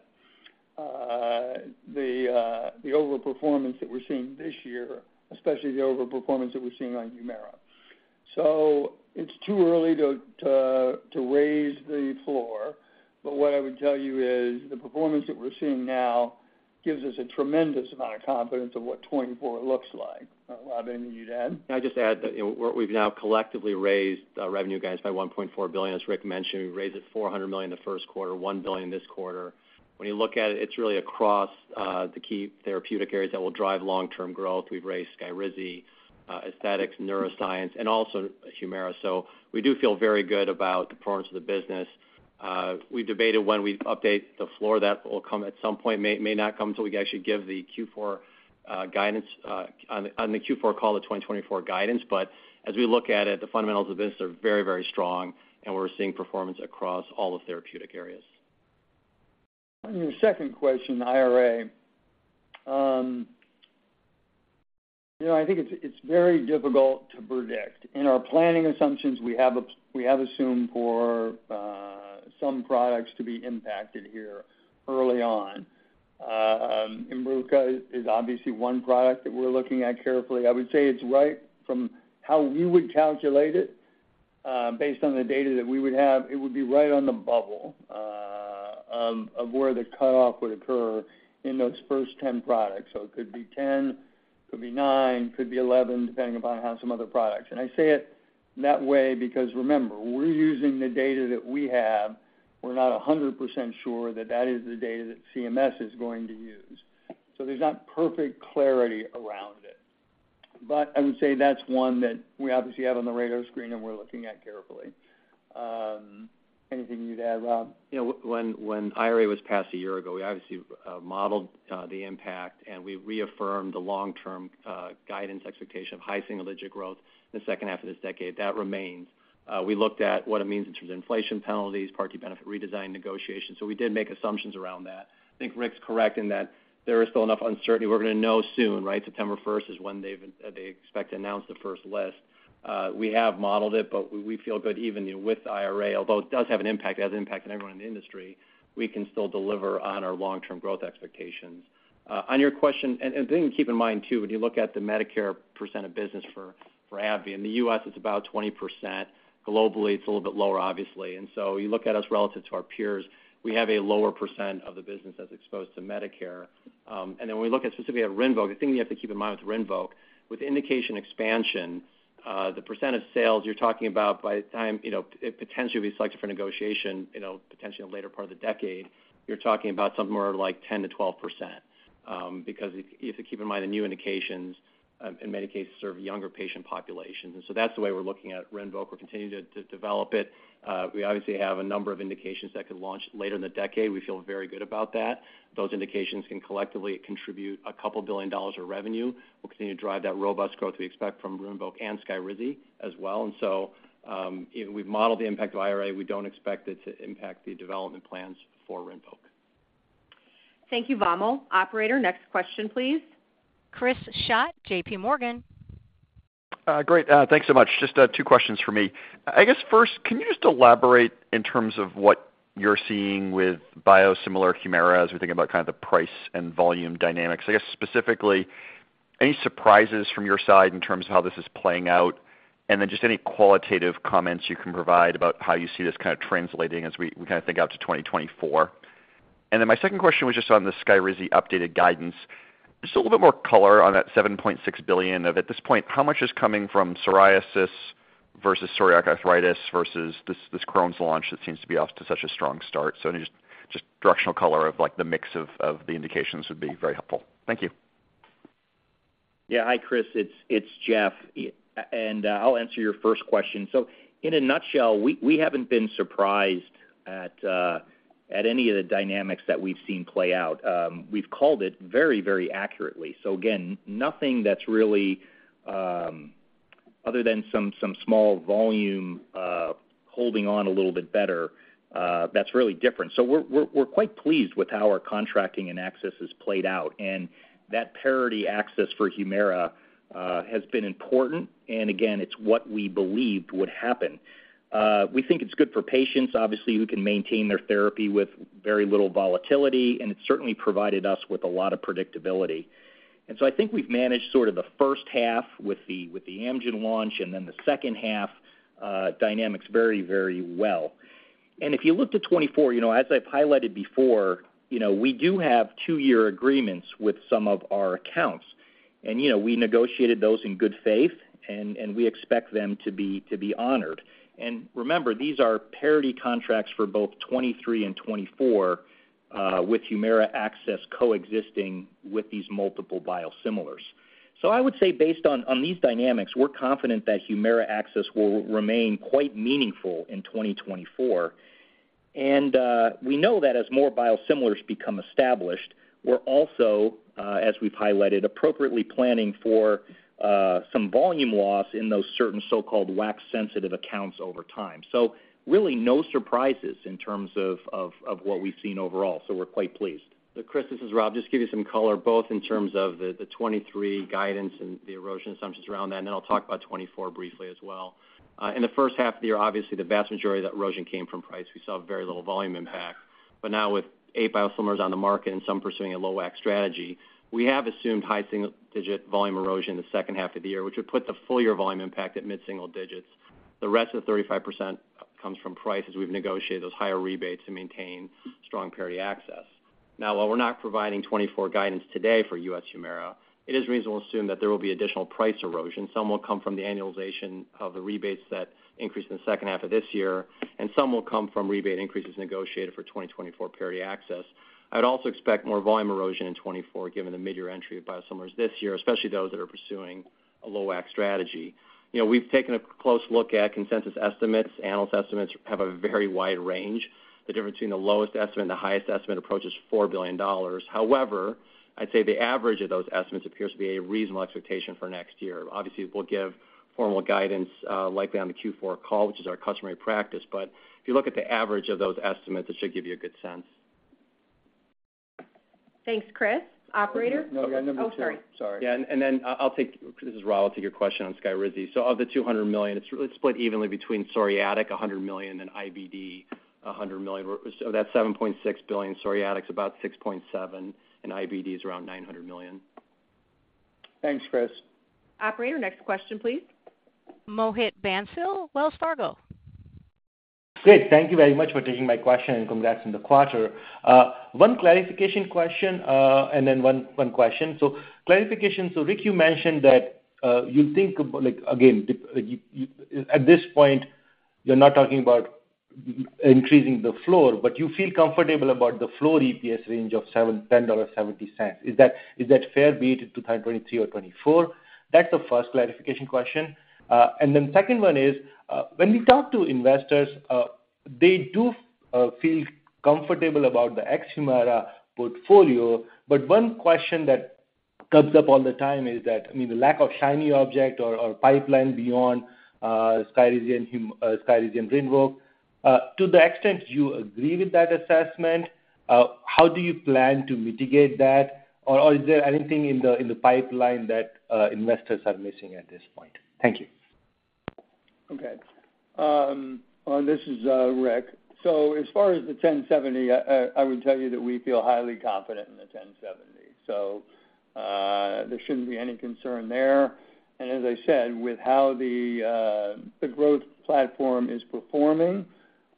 [SPEAKER 2] the, the overperformance that we're seeing this year, especially the overperformance that we're seeing on HUMIRA. It's too early to raise the floor, but what I would tell you is the performance that we're seeing now gives us a tremendous amount of confidence of what 2024 looks like. Rob, anything you'd add?
[SPEAKER 3] Can I just add that, you know, we've now collectively raised revenue guidance by $1.4 billion, as Rick mentioned. We raised it $400 million in the first quarter, $1 billion this quarter. When you look at it, it's really across the key therapeutic areas that will drive long-term growth. We've raised SKYRIZI, Aesthetics, Neuroscience, and also HUMIRA. We do feel very good about the performance of the business. We debated when we'd update the floor. That will come at some point. May, may not come until we actually give the Q4 guidance on the Q4 call, the 2024 guidance. As we look at it, the fundamentals of the business are very, very strong, and we're seeing performance across all the therapeutic areas.
[SPEAKER 2] On your second question, IRA, you know, I think it's very difficult to predict. In our planning assumptions, we have assumed for some products to be impacted here early on. Imbruvica is obviously one product that we're looking at carefully. I would say it's right from how we would calculate it, based on the data that we would have, it would be right on the bubble of where the cutoff would occur in those first 10 products. It could be 10, could be 9, could be 11, depending upon how some other products. I say it that way because remember, we're using the data that we have. We're not 100% sure that that is the data that CMS is going to use, so there's not perfect clarity around it. I would say that's one that we obviously have on the radar screen, and we're looking at carefully. Anything you'd add, Rob?
[SPEAKER 3] You know, when IRA was passed a year ago, we obviously modeled the impact, we reaffirmed the long-term guidance expectation of high single-digit growth in the second half of this decade. That remains. We looked at what it means in terms of inflation penalties, party benefit redesign negotiations, we did make assumptions around that. I think Rick's correct in that there is still enough uncertainty. We're gonna know soon, right? September first is when they expect to announce the first list. We have modeled it, we feel good even, you know, with IRA, although it does have an impact. It has an impact on everyone in the industry. We can still deliver on our long-term growth expectations. On your question... The thing to keep in mind, too, when you look at the Medicare percent of business for AbbVie, in the U.S., it's about 20%. Globally, it's a little bit lower, obviously. You look at us relative to our peers, we have a lower percent of the business that's exposed to Medicare. When we look at, specifically at RINVOQ, the thing you have to keep in mind with RINVOQ, with indication expansion, the percent of sales you're talking about by the time, you know, it potentially be selected for negotiation, you know, potentially in the later part of the decade, you're talking about something more like 10%-12%. Because you have to keep in mind, the new indications, in many cases, serve younger patient populations. That's the way we're looking at RINVOQ. We're continuing to develop it. We obviously have a number of indications that could launch later in the decade. We feel very good about that. Those indications can collectively contribute a couple billion dollars of revenue. We'll continue to drive that robust growth we expect from RINVOQ and SKYRIZI as well. We've modeled the impact of IRA. We don't expect it to impact the development plans for RINVOQ.
[SPEAKER 1] Thank you, Vamil. Operator, next question, please.
[SPEAKER 7] Chris Schott, JP Morgan.
[SPEAKER 9] Great, thanks so much. Just 2 questions for me. I guess, first, can you just elaborate in terms of what you're seeing with biosimilar HUMIRA as we think about kind of the price and volume dynamics? I guess, specifically, any surprises from your side in terms of how this is playing out? Just any qualitative comments you can provide about how you see this kind of translating as we kind of think out to 2024. My second question was just on the SKYRIZI updated guidance. Just a little bit more color on that $7.6 billion. At this point, how much is coming from psoriasis versus psoriatic arthritis versus this Crohn's launch that seems to be off to such a strong start? Just directional color of, like, the mix of the indications would be very helpful. Thank you.
[SPEAKER 4] Hi, Chris, it's Jeff, I'll answer your first question. In a nutshell, we haven't been surprised at any of the dynamics that we've seen play out. We've called it very, very accurately. Again, nothing that's really other than some small volume holding on a little bit better, that's really different. We're quite pleased with how our contracting and access has played out, that parity access for HUMIRA has been important, and again, it's what we believed would happen. We think it's good for patients, obviously, who can maintain their therapy with very little volatility, it's certainly provided us with a lot of predictability. I think we've managed sort of the first half with the, with the Amgen launch and then the second half dynamics very, very well. You look to 2024, you know, as I've highlighted before, you know, we do have two-year agreements with some of our accounts. You know, we negotiated those in good faith, and we expect them to be honored. Remember, these are parity contracts for both 2023 and 2024, with HUMIRA access coexisting with these multiple biosimilars. I would say based on these dynamics, we're confident that HUMIRA access will remain quite meaningful in 2024. We know that as more biosimilars become established, we're also, as we've highlighted, appropriately planning for some volume loss in those certain so-called WAC-sensitive accounts over time. Really no surprises in terms of what we've seen overall. We're quite pleased.
[SPEAKER 3] Chris, this is Rob. Just to give you some color, both in terms of the 2023 guidance and the erosion assumptions around that, and then I'll talk about 2024 briefly as well. In the first half of the year, obviously, the vast majority of that erosion came from price. We saw very little volume impact. Now with eight biosimilars on the market and some pursuing a low WAC strategy, we have assumed high single-digit volume erosion in the second half of the year, which would put the full year volume impact at mid-single digits. The rest of the 35% comes from price, as we've negotiated those higher rebates to maintain strong parity access. Now, while we're not providing 2024 guidance today for U.S. HUMIRA, it is reasonable to assume that there will be additional price erosion. Some will come from the annualization of the rebates that increased in the second half of this year. Some will come from rebate increases negotiated for 2024 parity access. I'd also expect more volume erosion in 2024, given the mid-year entry of biosimilars this year, especially those that are pursuing a low WAC strategy. You know, we've taken a close look at consensus estimates. Analyst estimates have a very wide range. The difference between the lowest estimate and the highest estimate approaches $4 billion. However, I'd say the average of those estimates appears to be a reasonable expectation for next year. Obviously, we'll give formal guidance, likely on the Q4 call, which is our customary practice. If you look at the average of those estimates, it should give you a good sense.
[SPEAKER 1] Thanks, Chris. Operator?
[SPEAKER 4] No, yeah, number 2.
[SPEAKER 1] Oh, sorry.
[SPEAKER 4] Sorry.
[SPEAKER 3] Yeah, I'll take. This is Rob, I'll take your question on SKYRIZI. Of the $200 million, it's really split evenly between psoriatic, $100 million, and IBD, $100 million. That's $7.6 billion, psoriatic is about $6.7, and IBD is around $900 million.
[SPEAKER 2] Thanks, Chris.
[SPEAKER 1] Operator, next question, please.
[SPEAKER 7] Mohit Bansal, Wells Fargo.
[SPEAKER 10] Great. Thank you very much for taking my question, congrats on the quarter. One clarification question, then one question. Clarification, Rick, you mentioned that you think, again, you, at this point, you're not talking about increasing the floor, but you feel comfortable about the floor EPS range of $10.70. Is that fair be it to 2023 or 2024? That's the first clarification question. Then second one is, when we talk to investors, they do feel comfortable about the ex-HUMIRA portfolio, but one question that comes up all the time is that the lack of shiny object or pipeline beyond SKYRIZI and RINVOQ. To the extent you agree with that assessment, how do you plan to mitigate that? Or is there anything in the pipeline that investors are missing at this point? Thank you.
[SPEAKER 2] This is Rick. As far as the 1070, I would tell you that we feel highly confident in the 1070, so there shouldn't be any concern there. As I said, with how the growth platform is performing,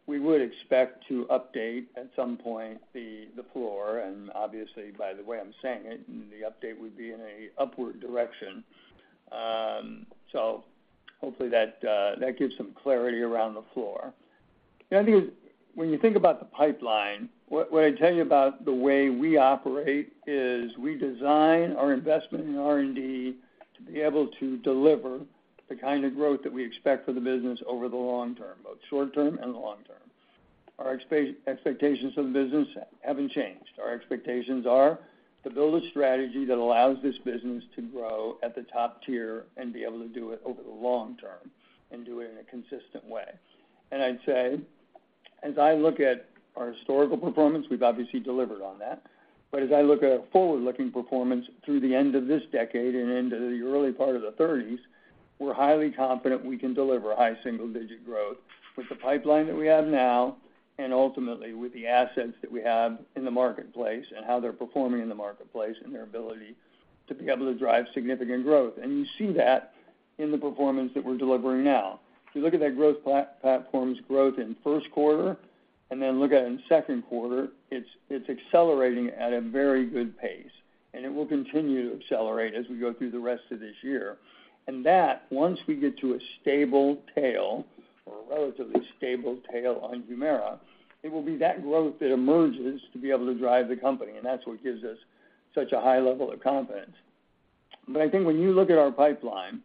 [SPEAKER 2] we would expect to update at some point, the floor, and obviously, by the way I'm saying it, the update would be in an upward direction. Hopefully that gives some clarity around the floor. The other thing is, when you think about the pipeline, what I tell you about the way we operate is we design our investment in R&D to be able to deliver the kind of growth that we expect for the business over the long term, both short term and the long term. Our expectations of the business haven't changed. Our expectations are to build a strategy that allows this business to grow at the top tier and be able to do it over the long term and do it in a consistent way. I'd say, as I look at our historical performance, we've obviously delivered on that. As I look at a forward-looking performance through the end of this decade and into the early part of the thirties, we're highly confident we can deliver high single-digit growth with the pipeline that we have now and ultimately with the assets that we have in the marketplace and how they're performing in the marketplace and their ability to be able to drive significant growth. You see that in the performance that we're delivering now. If you look at that growth platform's growth in first quarter and then look at it in second quarter, it's accelerating at a very good pace, and it will continue to accelerate as we go through the rest of this year. That, once we get to a stable tail or a relatively stable tail on HUMIRA, it will be that growth that emerges to be able to drive the company, and that's what gives us such a high level of confidence. I think when you look at our pipeline,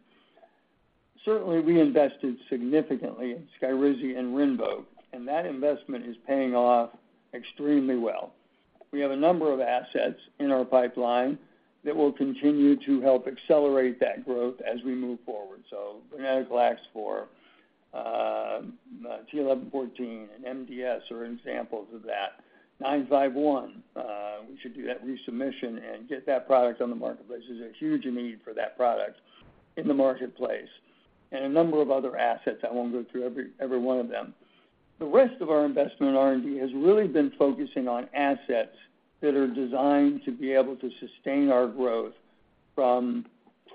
[SPEAKER 2] certainly we invested significantly in SKYRIZI and RINVOQ, and that investment is paying off extremely well. We have a number of assets in our pipeline that will continue to help accelerate that growth as we move forward. Biological acts Four, TL eleven fourteen and MDS are examples of that. ABBV-951, we should do that resubmission and get that product on the marketplace. There's a huge need for that product in the marketplace and a number of other assets. I won't go through every one of them. The rest of our investment in R&D has really been focusing on assets that are designed to be able to sustain our growth from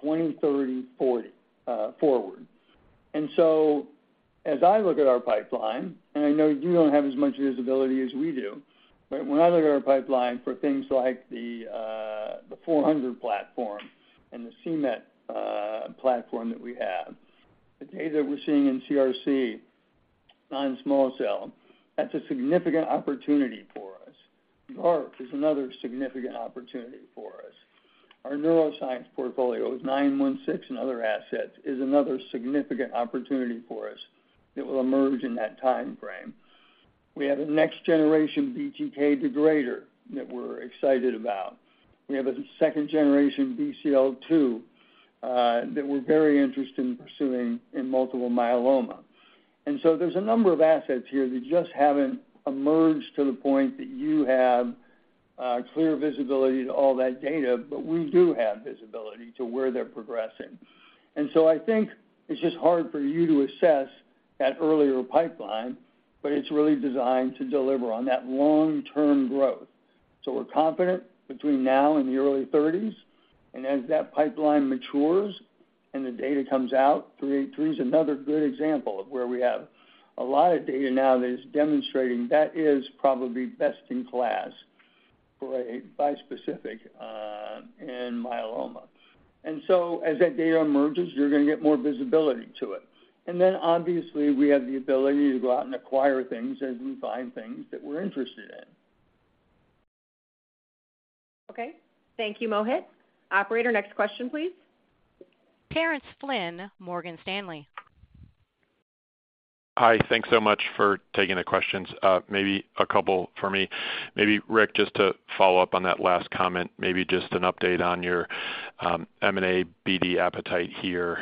[SPEAKER 2] 2020, 2030, 2040 forward. As I look at our pipeline, and I know you don't have as much visibility as we do, but when I look at our pipeline for things like the ABBV-400 platform and the c-Met platform that we have, the data we're seeing in CRC on small cell, that's a significant opportunity for us. Myelofibrosis is another significant opportunity for us. Our neuroscience portfolio is ABBV-916, and other assets is another significant opportunity for us that will emerge in that time frame. We have a next generation BTK degrader that we're excited about. We have a second generation BCL-2 that we're very interested in pursuing in multiple myeloma. There's a number of assets here that just haven't emerged to the point that you have clear visibility to all that data, but we do have visibility to where they're progressing. I think it's just hard for you to assess that earlier pipeline, but it's really designed to deliver on that long-term growth. We're confident between now and the early 2030s, and as that pipeline matures and the data comes out, ABBV-383 is another good example of where we have a lot of data now that is demonstrating that is probably best in class for a bispecific in myeloma. As that data emerges, you're gonna get more visibility to it. Obviously, we have the ability to go out and acquire things as we find things that we're interested in.
[SPEAKER 1] Okay. Thank you, Mohit. Operator, next question, please. Terence Flynn, Morgan Stanley.
[SPEAKER 11] Hi, thanks so much for taking the questions. Maybe a couple for me. Maybe, Rick, just to follow up on that last comment, maybe just an update on your M&A BD appetite here,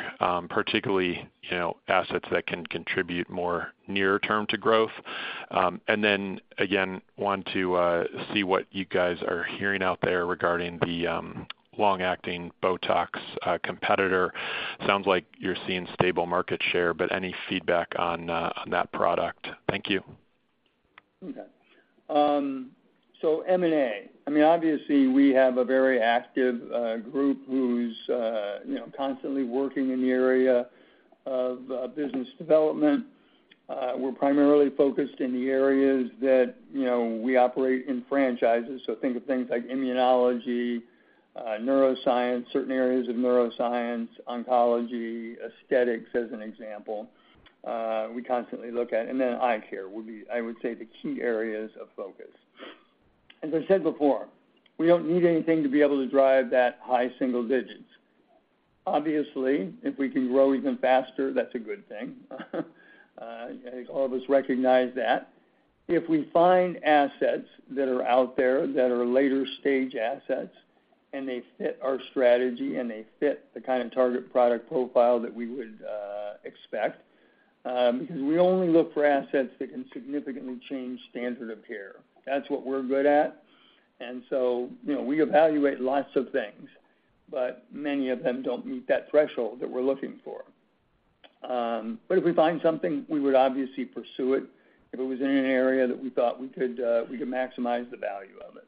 [SPEAKER 11] particularly, you know, assets that can contribute more near term to growth. Again, want to see what you guys are hearing out there regarding the long-acting Botox competitor. Sounds like you're seeing stable market share, any feedback on that product? Thank you.
[SPEAKER 2] Okay. M&A, I mean, obviously, we have a very active group who's, you know, constantly working in the area of business development. We're primarily focused in the areas that, you know, we operate in franchises. Think of things like immunology, neuroscience, certain areas of neuroscience, oncology, aesthetics, as an example, we constantly look at, and then eye care would be, I would say, the key areas of focus. I said before, we don't need anything to be able to drive that high single digits. If we can grow even faster, that's a good thing. I think all of us recognize that. If we find assets that are out there that are later stage assets, and they fit our strategy, and they fit the kind of target product profile that we would expect because we only look for assets that can significantly change standard of care. That's what we're good at. You know, we evaluate lots of things, but many of them don't meet that threshold that we're looking for. But if we find something, we would obviously pursue it if it was in an area that we thought we could maximize the value of it.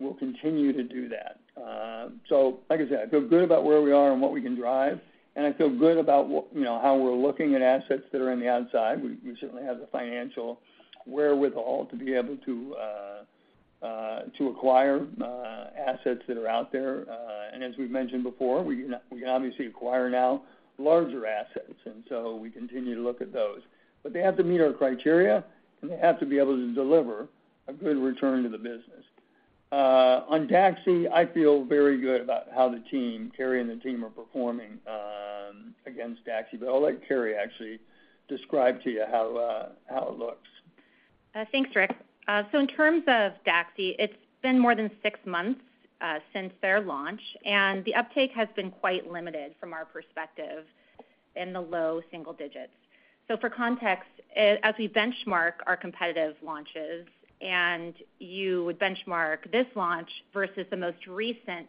[SPEAKER 2] We'll continue to do that. Like I said, I feel good about what you know, how we're looking at assets that are on the outside. We certainly have the financial wherewithal to be able to acquire assets that are out there. As we've mentioned before, we can obviously acquire now larger assets, so we continue to look at those. They have to meet our criteria, and they have to be able to deliver a good return to the business. On Daxxify, I feel very good about how the team, Kerry and the team, are performing against Daxxify, but I'll let Carrie actually describe to you how it looks.
[SPEAKER 1] Thanks, Rick. In terms of Daxxify, it's been more than six months since their launch, and the uptake has been quite limited from our perspective in the low single digits. For context, as we benchmark our competitive launches and you would benchmark this launch versus the most recent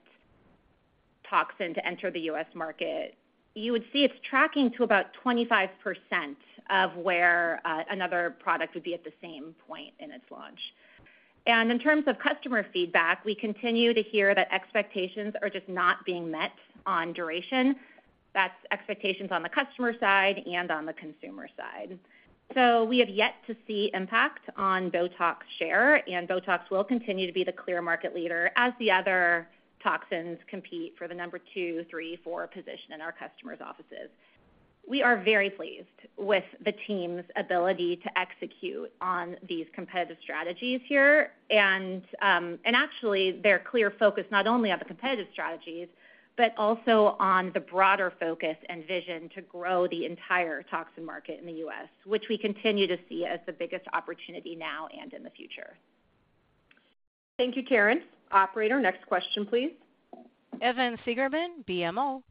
[SPEAKER 1] toxin to enter the U.S. market, you would see it's tracking to about 25% of where another product would be at the same point in its launch. In terms of customer feedback, we continue to hear that expectations are just not being met on duration. That's expectations on the customer side and on the consumer side. We have yet to see impact on Botox share, and Botox will continue to be the clear market leader as the other toxins compete for the number two, three, four position in our customers' offices. We are very pleased with the team's ability to execute on these competitive strategies here, and actually, their clear focus not only on the competitive strategies, but also on the broader focus and vision to grow the entire toxin market in the U.S., which we continue to see as the biggest opportunity now and in the future. Thank you, Karen. Operator, next question, please.
[SPEAKER 7] Evan Seigerman, BMO.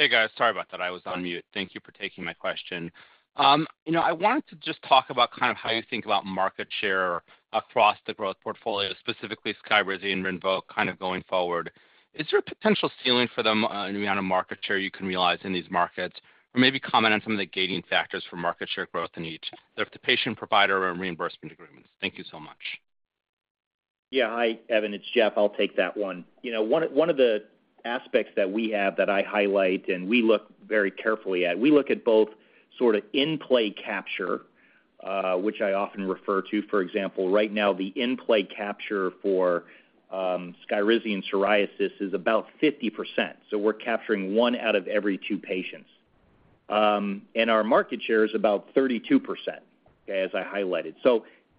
[SPEAKER 12] Hey, guys, sorry about that. I was on mute. Thank you for taking my question. You know, I wanted to just talk about kind of how you think about market share across the growth portfolio, specifically Skyrizi and Rinvoq, kind of going forward. Is there a potential ceiling for them, any amount of market share you can realize in these markets? Or maybe comment on some of the gating factors for market share growth in each, the patient, provider, and reimbursement agreements. Thank you so much.
[SPEAKER 4] Yeah. Hi, Evan, it's Jeff. I'll take that one. You know, one of, one of the aspects that we have that I highlight and we look very carefully at, we look at both sort of in-play capture, which I often refer to. For example, right now, the in-play capture for SKYRIZI and psoriasis is about 50%, so we're capturing one out of every two patients. Our market share is about 32%, as I highlighted.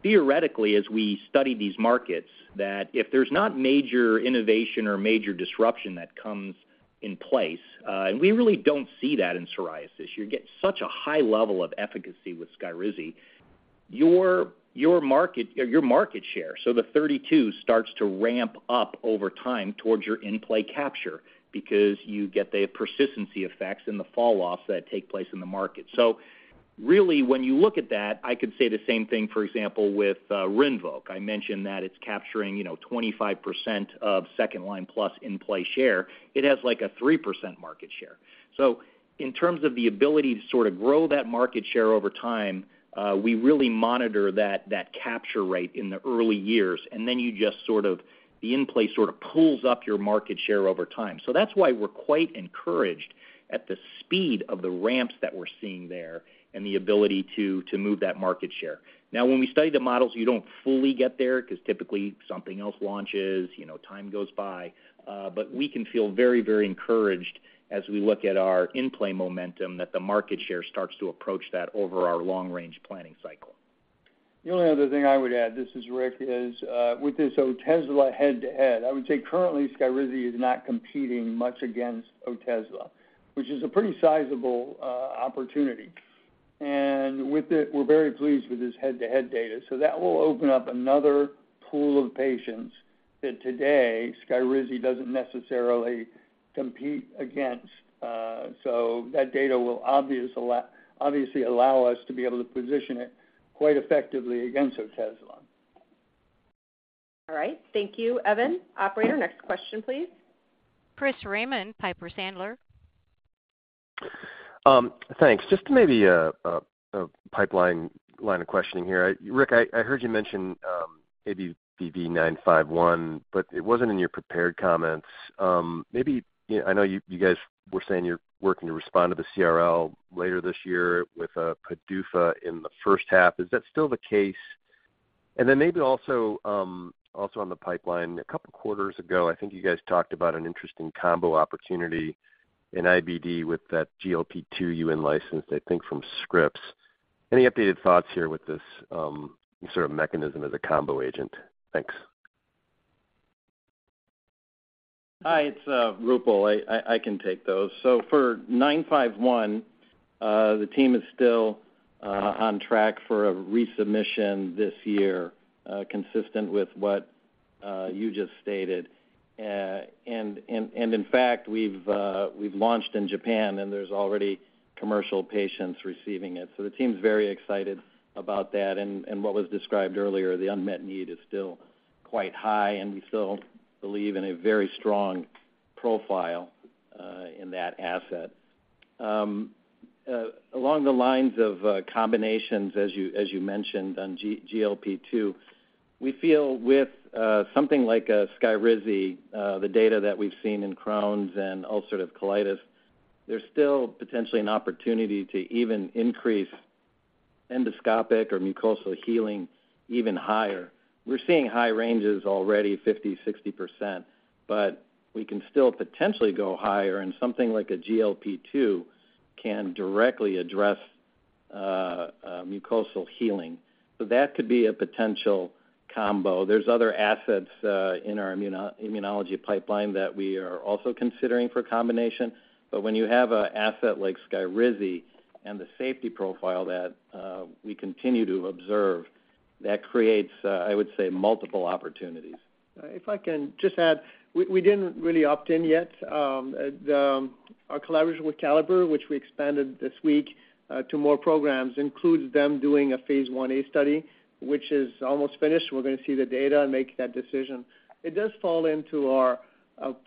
[SPEAKER 4] Theoretically, as we study these markets, that if there's not major innovation or major disruption that comes in place, and we really don't see that in psoriasis. You get such a high level of efficacy with SKYRIZI, your market share, the 32 starts to ramp up over time towards your in-play capture because you get the persistency effects and the falloffs that take place in the market. When you look at that, I could say the same thing, for example, with RINVOQ. I mentioned that it's capturing, you know, 25% of second-line-plus in-play share. It has, like, a 3% market share. In terms of the ability to sort of grow that market share over time, we really monitor that capture rate in the early years, then you just sort of the in-play sort of pulls up your market share over time. That's why we're quite encouraged at the speed of the ramps that we're seeing there and the ability to move that market share. Now, when we study the models, you don't fully get there because typically something else launches, you know, time goes by, but we can feel very, very encouraged as we look at our in-play momentum, that the market share starts to approach that over our long-range planning cycle.
[SPEAKER 2] The only other thing I would add, this is Rick, is with this Otezla head-to-head, I would say currently, SKYRIZI is not competing much against Otezla, which is a pretty sizable opportunity. We're very pleased with this head-to-head data. That will obviously allow us to be able to position it quite effectively against Otezla.
[SPEAKER 1] All right. Thank you, Evan. Operator, next question, please.
[SPEAKER 7] Chris Raymond, Piper Sandler.
[SPEAKER 13] Thanks. Just maybe a pipeline line of questioning here. Rick, I heard you mention ABBV-951, but it wasn't in your prepared comments. Maybe, I know you guys were saying you're working to respond to the CRL later this year with a PDUFA in the first half. Is that still the case? Maybe also, also on the pipeline, a couple of quarters ago, I think you guys talked about an interesting combo opportunity in IBD with that GLP-2 you in-licensed, I think, from Scripps. Any updated thoughts here with this sort of mechanism as a combo agent? Thanks.
[SPEAKER 14] Hi, it's Roopal. I can take those. For ABBV-951, the team is still on track for a resubmission this year, consistent with what you just stated. In fact, we've launched in Japan, and there's already commercial patients receiving it. The team's very excited about that. What was described earlier, the unmet need is still quite high, and we still believe in a very strong profile in that asset. Along the lines of combinations, as you mentioned, on GLP-2, we feel with something like a SKYRIZI, the data that we've seen in Crohn's and ulcerative colitis, there's still potentially an opportunity to even increase endoscopic or mucosal healing even higher. We're seeing high ranges already, 50%, 60%, we can still potentially go higher, and something like a GLP-2 can directly address mucosal healing. That could be a potential combo. There's other assets in our immunology pipeline that we are also considering for combination. When you have an asset like SKYRIZI and the safety profile that we continue to observe, that creates, I would say, multiple opportunities.
[SPEAKER 4] If I can just add, we didn't really opt in yet. The, our collaboration with Calibr, which we expanded this week, to more programs, includes them doing a phase 1A study, which is almost finished. We're gonna see the data and make that decision. It does fall into a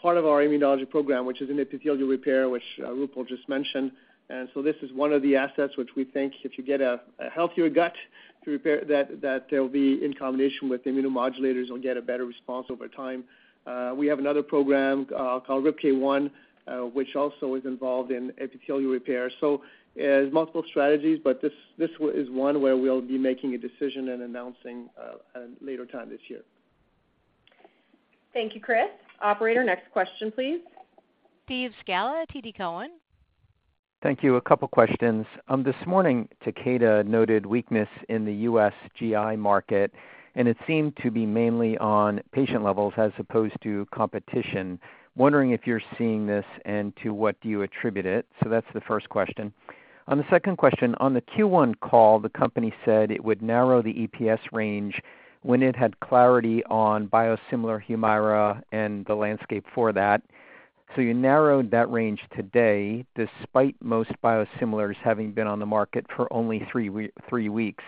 [SPEAKER 4] part of our immunology program, which is in epithelial repair, which Rupal just mentioned. This is one of the assets which we think if you get a healthier gut to repair that there will be in combination with immunomodulators, you'll get a better response over time. We have another program called RIPK1, which also is involved in epithelial repair. There's multiple strategies, but this is one where we'll be making a decision and announcing at a later time this year.
[SPEAKER 1] Thank you, Chris. Operator, next question, please.
[SPEAKER 7] Steve Scala, TD Cowen.
[SPEAKER 14] Thank you. A couple questions. This morning, Takeda noted weakness in the U.S. GI market, and it seemed to be mainly on patient levels as opposed to competition. Wondering if you're seeing this, and to what do you attribute it? That's the first question. On the second question, on the Q1 call, the company said it would narrow the EPS range when it had clarity on biosimilar HUMIRA and the landscape for that. You narrowed that range today, despite most biosimilars having been on the market for only three weeks.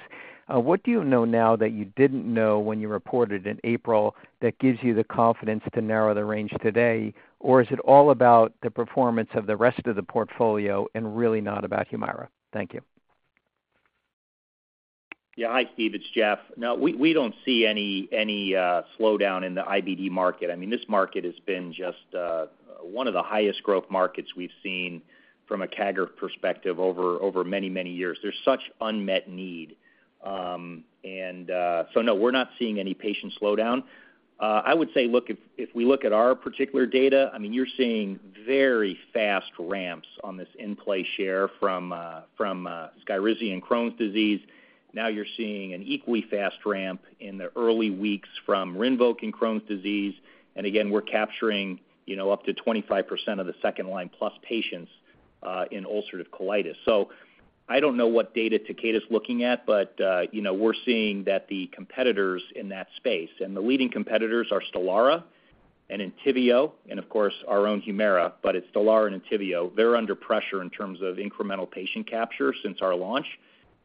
[SPEAKER 14] What do you know now that you didn't know when you reported in April that gives you the confidence to narrow the range today? Is it all about the performance of the rest of the portfolio and really not about HUMIRA? Thank you.
[SPEAKER 4] Yeah. Hi, Steve, it's Jeff. No, we don't see any slowdown in the IBD market. I mean, this market has been just one of the highest growth markets we've seen from a CAGR perspective over many, many years. There's such unmet need. No, we're not seeing any patient slowdown. I would say, look, if we look at our particular data, I mean, you're seeing very fast ramps on this in-play share from SKYRIZI and Crohn's disease. You're seeing an equally fast ramp in the early weeks from RINVOQ and Crohn's disease. Again, we're capturing, you know, up to 25% of the second-line plus patients in ulcerative colitis. I don't know what data Takeda is looking at, you know, we're seeing that the competitors in that space, the leading competitors are Stelara and Entyvio, and of course, our own HUMIRA. It's Stelara and Entyvio, they're under pressure in terms of incremental patient capture since our launch.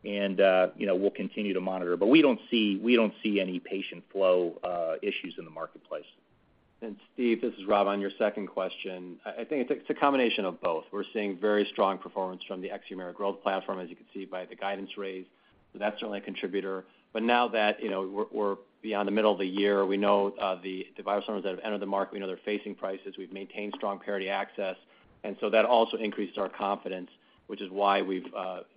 [SPEAKER 4] You know, we'll continue to monitor. We don't see any patient flow issues in the marketplace.
[SPEAKER 3] Steve, this is Rob. On your second question, I think it's a combination of both. We're seeing very strong performance from the ex-HUMIRA growth platform, as you can see by the guidance raise. That's certainly a contributor. Now that, you know, we're, we're beyond the middle of the year, we know the biosimilars that have entered the market, we know they're facing prices. We've maintained strong parity access, that also increased our confidence, which is why we've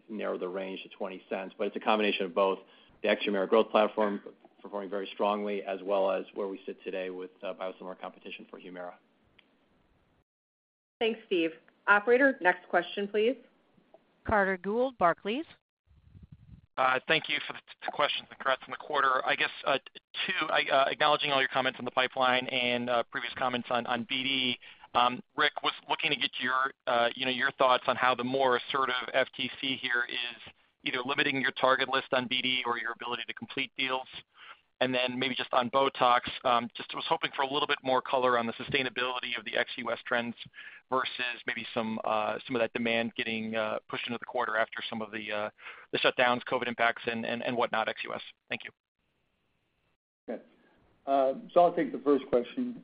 [SPEAKER 3] narrowed the range to $0.20. It's a combination of both the ex-HUMIRA growth platform performing very strongly, as well as where we sit today with biosimilar competition for HUMIRA.
[SPEAKER 1] Thanks, Steve. Operator, next question, please.
[SPEAKER 7] Carter Gould, Barclays.
[SPEAKER 15] Thank you for the two questions and congrats on the quarter. I guess, two, acknowledging all your comments on the pipeline and previous comments on BD. Rick, was looking to get your, you know, your thoughts on how the more assertive FTC here is either limiting your target list on BD or your ability to complete deals. Then maybe just on Botox, just was hoping for a little bit more color on the sustainability of the ex-US trends versus maybe some of that demand getting pushed into the quarter after some of the shutdowns, COVID impacts and whatnot, ex-US. Thank you.
[SPEAKER 2] Okay, I'll take the first question.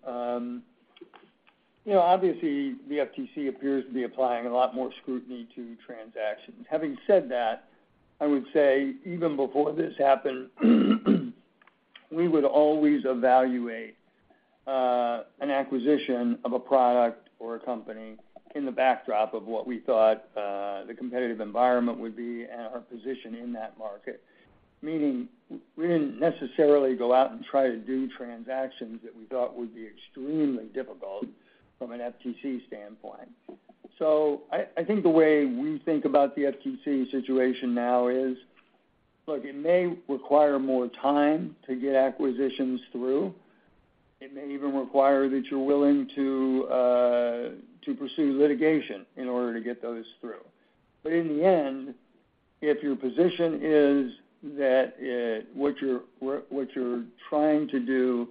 [SPEAKER 2] You know, obviously, the FTC appears to be applying a lot more scrutiny to transactions. Having said that, I would say even before this happened, we would always evaluate an acquisition of a product or a company in the backdrop of what we thought the competitive environment would be and our position in that market. Meaning, we didn't necessarily go out and try to do transactions that we thought would be extremely difficult from an FTC standpoint. I think the way we think about the FTC situation now is, look, it may require more time to get acquisitions through. It may even require that you're willing to pursue litigation in order to get those through. In the end, if your position is that, what you're trying to do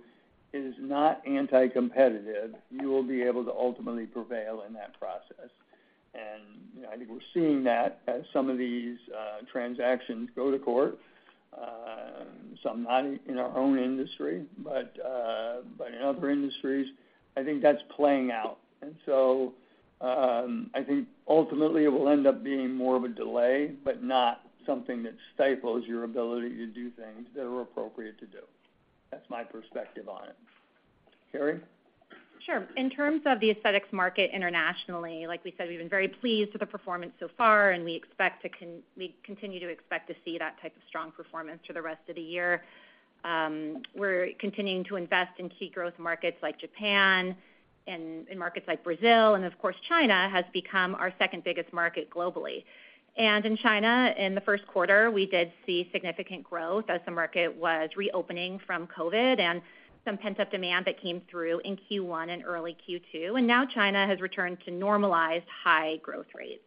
[SPEAKER 2] is not anti-competitive, you will be able to ultimately prevail in that process. You know, I think we're seeing that as some of these transactions go to court, some not in our own industry, but in other industries, I think that's playing out. I think ultimately it will end up being more of a delay, but not something that stifles your ability to do things that are appropriate to do. That's my perspective on it. Kerry?
[SPEAKER 1] Sure. In terms of the aesthetics market internationally, like we said, we've been very pleased with the performance so far, and we continue to expect to see that type of strong performance for the rest of the year. We're continuing to invest in key growth markets like Japan and in markets like Brazil, and of course, China has become our second biggest market globally. In China, in the first quarter, we did see significant growth as the market was reopening from COVID and some pent-up demand that came through in Q1 and early Q2, and now China has returned to normalized high growth rates.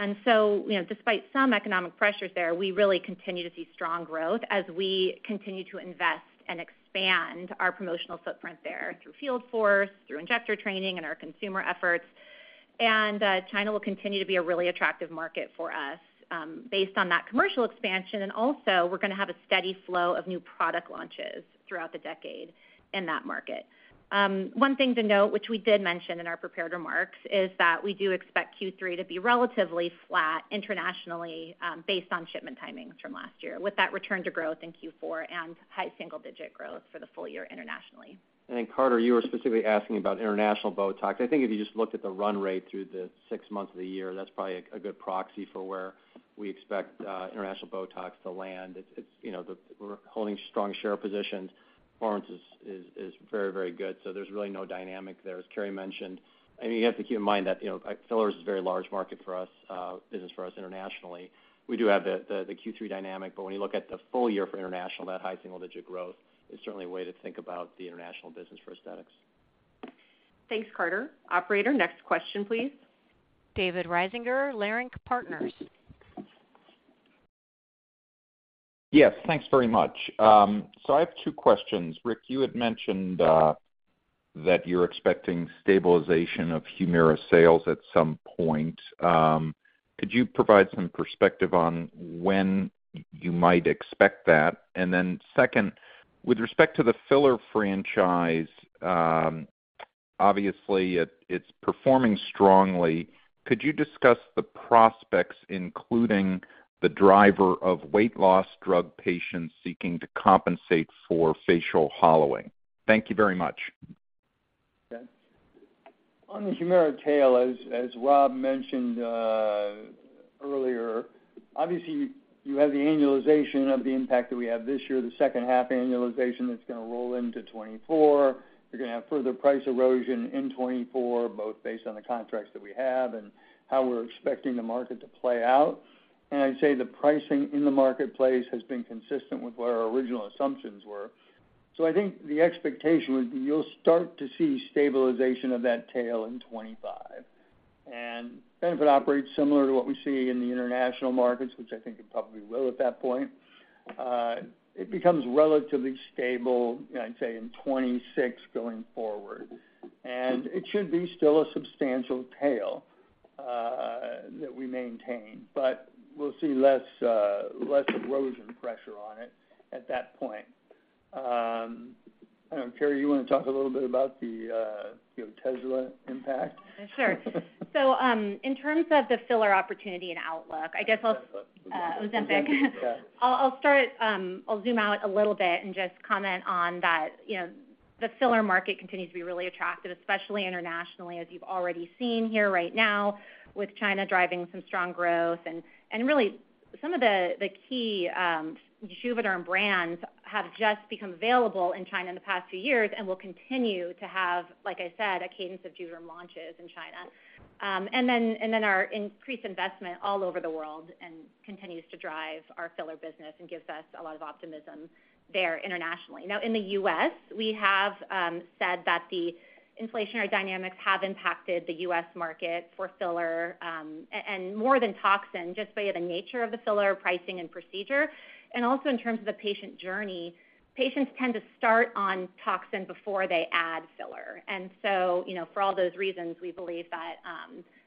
[SPEAKER 1] You know, despite some economic pressures there, we really continue to see strong growth as we continue to invest and expand our promotional footprint there through field force, through injector training, and our consumer efforts. China will continue to be a really attractive market for us, based on that commercial expansion. We're gonna have a steady flow of new product launches throughout the decade in that market. One thing to note, which we did mention in our prepared remarks, is that we do expect Q3 to be relatively flat internationally, based on shipment timings from last year, with that return to growth in Q4 and high single-digit growth for the full year internationally.
[SPEAKER 3] Carter, you were specifically asking about international Botox. I think if you just looked at the run rate through the 6 months of the year, that's probably a good proxy for where we expect international Botox to land. It's, you know, we're holding strong share positions. Performance is very good, there's really no dynamic there, as Kerry mentioned. I mean, you have to keep in mind that, you know, fillers is a very large market for us, business for us internationally. We do have the Q3 dynamic, when you look at the full year for international, that high single-digit growth is certainly a way to think about the international business for Aesthetics.
[SPEAKER 1] Thanks, Carter. Operator, next question, please.
[SPEAKER 7] David Risinger, Leerink Partners.
[SPEAKER 16] Yes, thanks very much. I have two questions. Rick, you had mentioned that you're expecting stabilization of HUMIRA sales at some point. Could you provide some perspective on when you might expect that? Second, with respect to the filler franchise, obviously, it's performing strongly. Could you discuss the prospects, including the driver of weight loss drug patients seeking to compensate for facial hollowing? Thank you very much.
[SPEAKER 2] Okay. On the HUMIRA tail, as Rob mentioned, earlier, obviously, you have the annualization of the impact that we have this year, the second half annualization that's gonna roll into 2024. You're gonna have further price erosion in 2024, both based on the contracts that we have and how we're expecting the market to play out. I'd say the pricing in the marketplace has been consistent with what our original assumptions were. I think the expectation would be you'll start to see stabilization of that tail in 2025. Then, if it operates similar to what we see in the international markets, which I think it probably will at that point, it becomes relatively stable, I'd say, in 2026, going forward. It should be still a substantial tail that we maintain, but we'll see less erosion pressure on it at that point. I don't know, Carrie, you wanna talk a little bit about the, you know, Ozempic impact?
[SPEAKER 1] Sure. in terms of the filler opportunity and outlook, I guess I'll-
[SPEAKER 2] Ozempic.
[SPEAKER 1] Ozempic.
[SPEAKER 2] Yeah.
[SPEAKER 1] I'll start, I'll zoom out a little bit and just comment on that, you know, the filler market continues to be really attractive, especially internationally, as you've already seen here right now, with China driving some strong growth. Really, some of the key Juvederm brands have just become available in China in the past few years and will continue to have, like I said, a cadence of Juvederm launches in China. Then our increased investment all over the world and continues to drive our filler business and gives us a lot of optimism there internationally. Now, in the US, we have said that the inflationary dynamics have impacted the US market for filler, and more than toxin, just by the nature of the filler, pricing, and procedure. Also in terms of the patient journey, patients tend to start on toxin before they add filler. You know, for all those reasons, we believe that,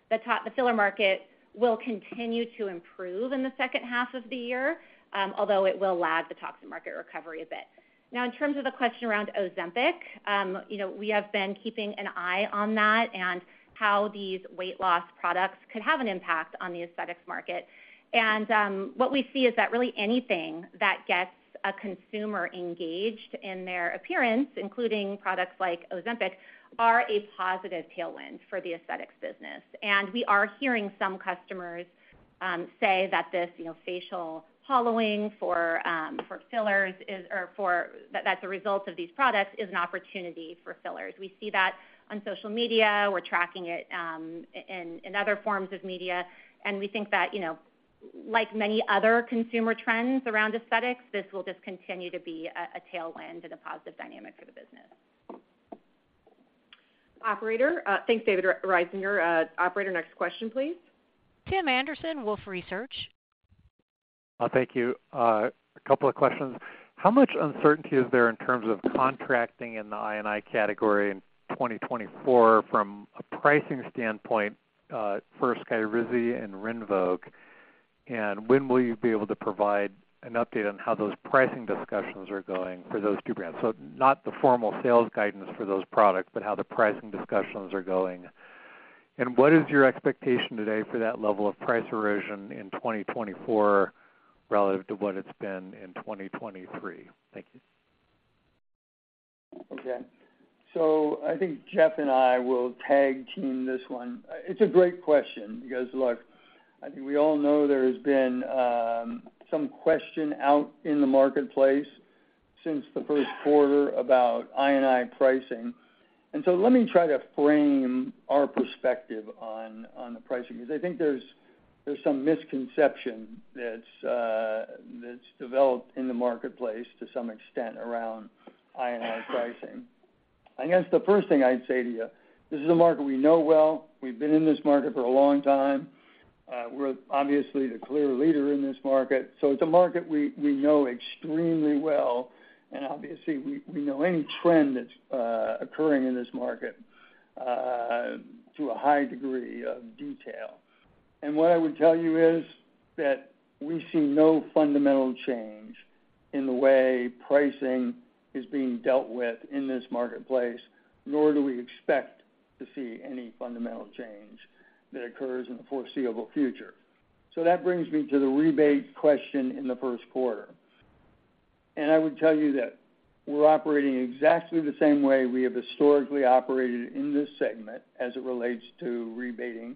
[SPEAKER 1] the filler market will continue to improve in the second half of the year, although it will lag the toxin market recovery a bit. In terms of the question around Ozempic, you know, we have been keeping an eye on that and how these weight loss products could have an impact on the aesthetics market. What we see is that really anything that gets a consumer engaged in their appearance, including products like Ozempic, are a positive tailwind for the aesthetics business. We are hearing some customers say that this, you know, facial hollowing for fillers, that's a result of these products, is an opportunity for fillers. We see that on social media. We're tracking it in other forms of media. We think that, you know, like many other consumer trends around aesthetics, this will just continue to be a tailwind and a positive dynamic for the business. Operator. Thanks, David Risinger. Operator, next question, please.
[SPEAKER 7] Tim Anderson, Wolfe Research.
[SPEAKER 17] Thank you. A couple of questions. How much uncertainty is there in terms of contracting in the INI category in 2024 from a pricing standpoint, for SKYRIZI and RINVOQ? When will you be able to provide an update on how those pricing discussions are going for those 2 brands? So not the formal sales guidance for those products, but how the pricing discussions are going. What is your expectation today for that level of price erosion in 2024 relative to what it's been in 2023? Thank you.
[SPEAKER 2] Okay. I think Jeff and I will tag-team this one. It's a great question because, look, I think we all know there has been some question out in the marketplace since the first quarter about INI pricing. Let me try to frame our perspective on the pricing, because I think there's some misconception that's developed in the marketplace to some extent around INI pricing. The first thing I'd say to you, this is a market we know well. We've been in this market for a long time. We're obviously the clear leader in this market, so it's a market we know extremely well, and obviously, we know any trend that's occurring in this market to a high degree of detail. What I would tell you is that we see no fundamental change in the way pricing is being dealt with in this marketplace, nor do we expect to see any fundamental change that occurs in the foreseeable future. That brings me to the rebate question in the first quarter, and I would tell you that we're operating exactly the same way we have historically operated in this segment as it relates to rebating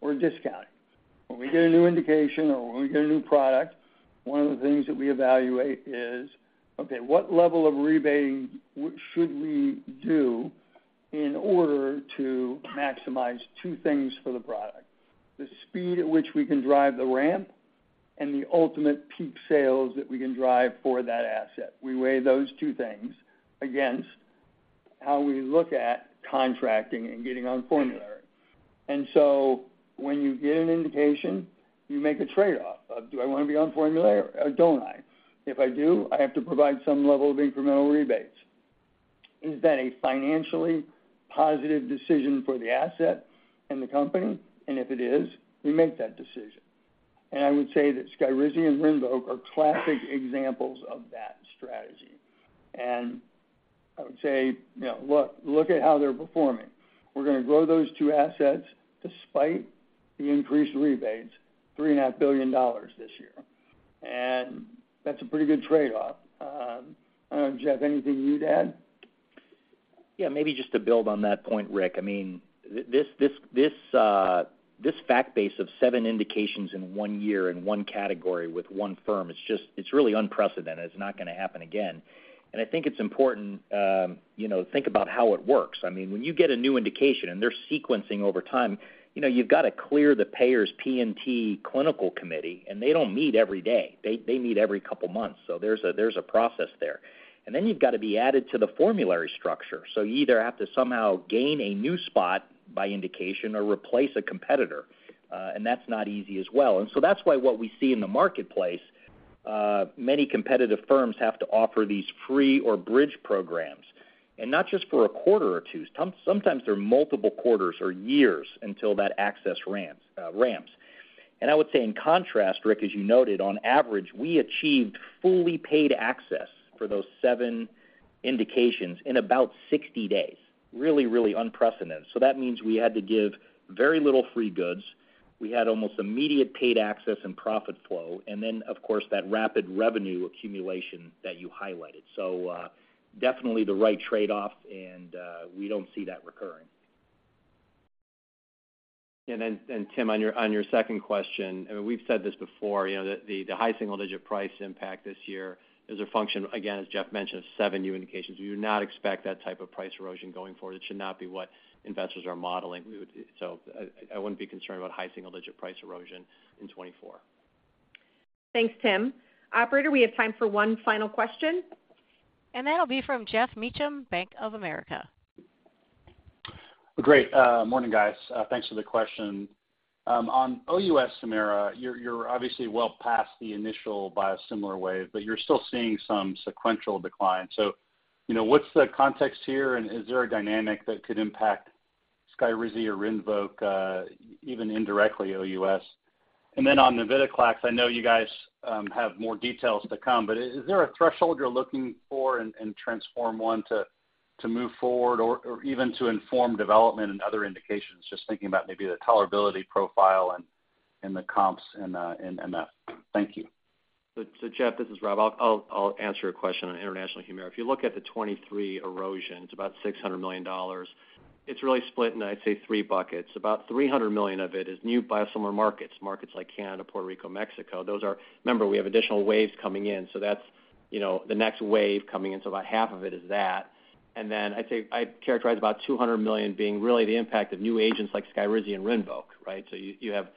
[SPEAKER 2] or discounting. When we get a new indication or when we get a new product, one of the things that we evaluate is, okay, what level of rebating should we do in order to maximize two things for the product: the speed at which we can drive the ramp, and the ultimate peak sales that we can drive for that asset. We weigh those two things against how we look at contracting and getting on formulary. When you get an indication, you make a trade-off of, do I wanna be on formulary or don't I? If I do, I have to provide some level of incremental rebates. Is that a financially positive decision for the asset and the company? If it is, we make that decision.... I would say that SKYRIZI and RINVOQ are classic examples of that strategy. I would say, you know, look at how they're performing. We're gonna grow those two assets despite the increased rebates, $3.5 billion this year. That's a pretty good trade-off. I don't know, Jeff, anything you'd add?
[SPEAKER 4] Yeah, maybe just to build on that point, Rick. I mean, this fact base of seven indications in one year, in one category with one firm, it's really unprecedented, it's not gonna happen again. I think it's important, you know, to think about how it works. I mean, when you get a new indication, they're sequencing over time, you know, you've got to clear the payer's P&T clinical committee, they don't meet every day. They meet every couple of months, there's a process there. You've got to be added to the formulary structure. You either have to somehow gain a new spot by indication or replace a competitor, that's not easy as well. That's why what we see in the marketplace, many competitive firms have to offer these free or bridge programs. Not just for a quarter or 2, sometimes they're multiple quarters or years until that access rams, ramps. I would say in contrast, Rick, as you noted, on average, we achieved fully paid access for those seven indications in about 60 days. Really unprecedented. That means we had to give very little free goods. We had almost immediate paid access and profit flow, and then, of course, that rapid revenue accumulation that you highlighted. Definitely the right trade-off, and we don't see that recurring.
[SPEAKER 3] Tim, on your second question, I mean, we've said this before, you know, the high single-digit price impact this year is a function, again, as Jeff mentioned, 7 new indications. We do not expect that type of price erosion going forward. It should not be what investors are modeling. I wouldn't be concerned about high single-digit price erosion in 2024.
[SPEAKER 1] Thanks, Tim. Operator, we have time for one final question.
[SPEAKER 7] That'll be from Geoff Meacham, Bank of America.
[SPEAKER 18] Great. Morning, guys. Thanks for the question. On OUS HUMIRA, you're obviously well past the initial biosimilar wave, but you're still seeing some sequential decline. You know, what's the context here, and is there a dynamic that could impact SKYRIZI or RINVOQ, even indirectly, OUS? On Navitoclax, I know you guys, have more details to come, but is there a threshold you're looking for in TRANSFORM-1 to move forward or even to inform development and other indications? Just thinking about maybe the tolerability profile and the comps and that. Thank you.
[SPEAKER 3] Jeff, this is Rob. I'll answer your question on international HUMIRA. If you look at the 23 erosion, it's about $600 million. It's really split in, I'd say, 3 buckets. About $300 million of it is new biosimilar markets, markets like Canada, Puerto Rico, Mexico. Remember, we have additional waves coming in, so that's, you know, the next wave coming in, so about half of it is that. Then I'd say, I'd characterize about $200 million being really the impact of new agents like SKYRIZI and RINVOQ, right? You have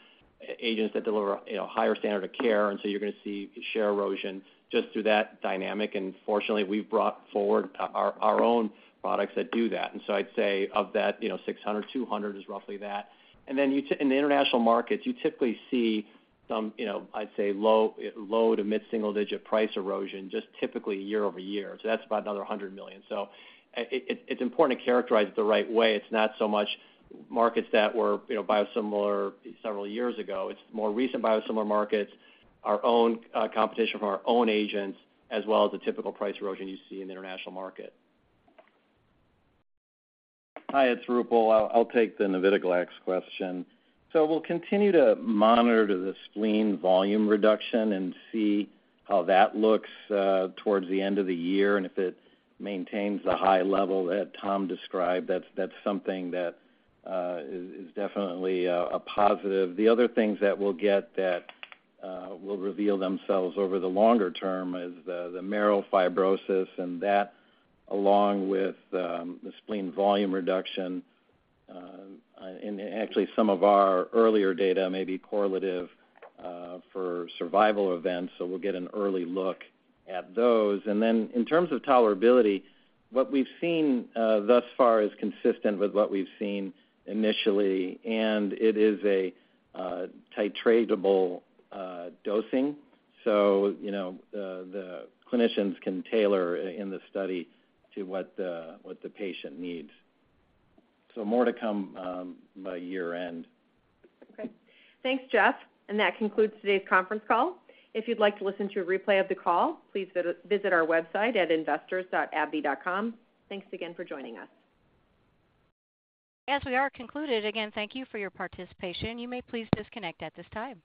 [SPEAKER 3] agents that deliver, you know, higher standard of care, and you're gonna see share erosion just through that dynamic. Fortunately, we've brought forward our own products that do that. I'd say of that, you know, 600, 200 is roughly that. In the international markets, you typically see some, you know, I'd say, low to mid-single digit price erosion, just typically year-over-year. That's about another $100 million. It's important to characterize it the right way. It's not so much markets that were, you know, biosimilar several years ago. It's more recent biosimilar markets, our own competition from our own agents, as well as the typical price erosion you see in the international market.
[SPEAKER 14] Hi, it's Rupal. I'll take the Navitoclax question. We'll continue to monitor the spleen volume reduction and see how that looks towards the end of the year, and if it maintains the high level that Tom described, that's something that is definitely a positive. The other things that we'll get that will reveal themselves over the longer term is the marrow fibrosis, and that, along with the spleen volume reduction, and actually some of our earlier data may be correlative for survival events, so we'll get an early look at those. In terms of tolerability, what we've seen thus far is consistent with what we've seen initially, and it is a titratable dosing, so you know, the clinicians can tailor in the study to what the patient needs. More to come, by year-end.
[SPEAKER 1] Okay. Thanks, Jeff. That concludes today's conference call. If you'd like to listen to a replay of the call, please visit our website at investors.abbvie.com. Thanks again for joining us.
[SPEAKER 7] As we are concluded, again, thank you for your participation. You may please disconnect at this time.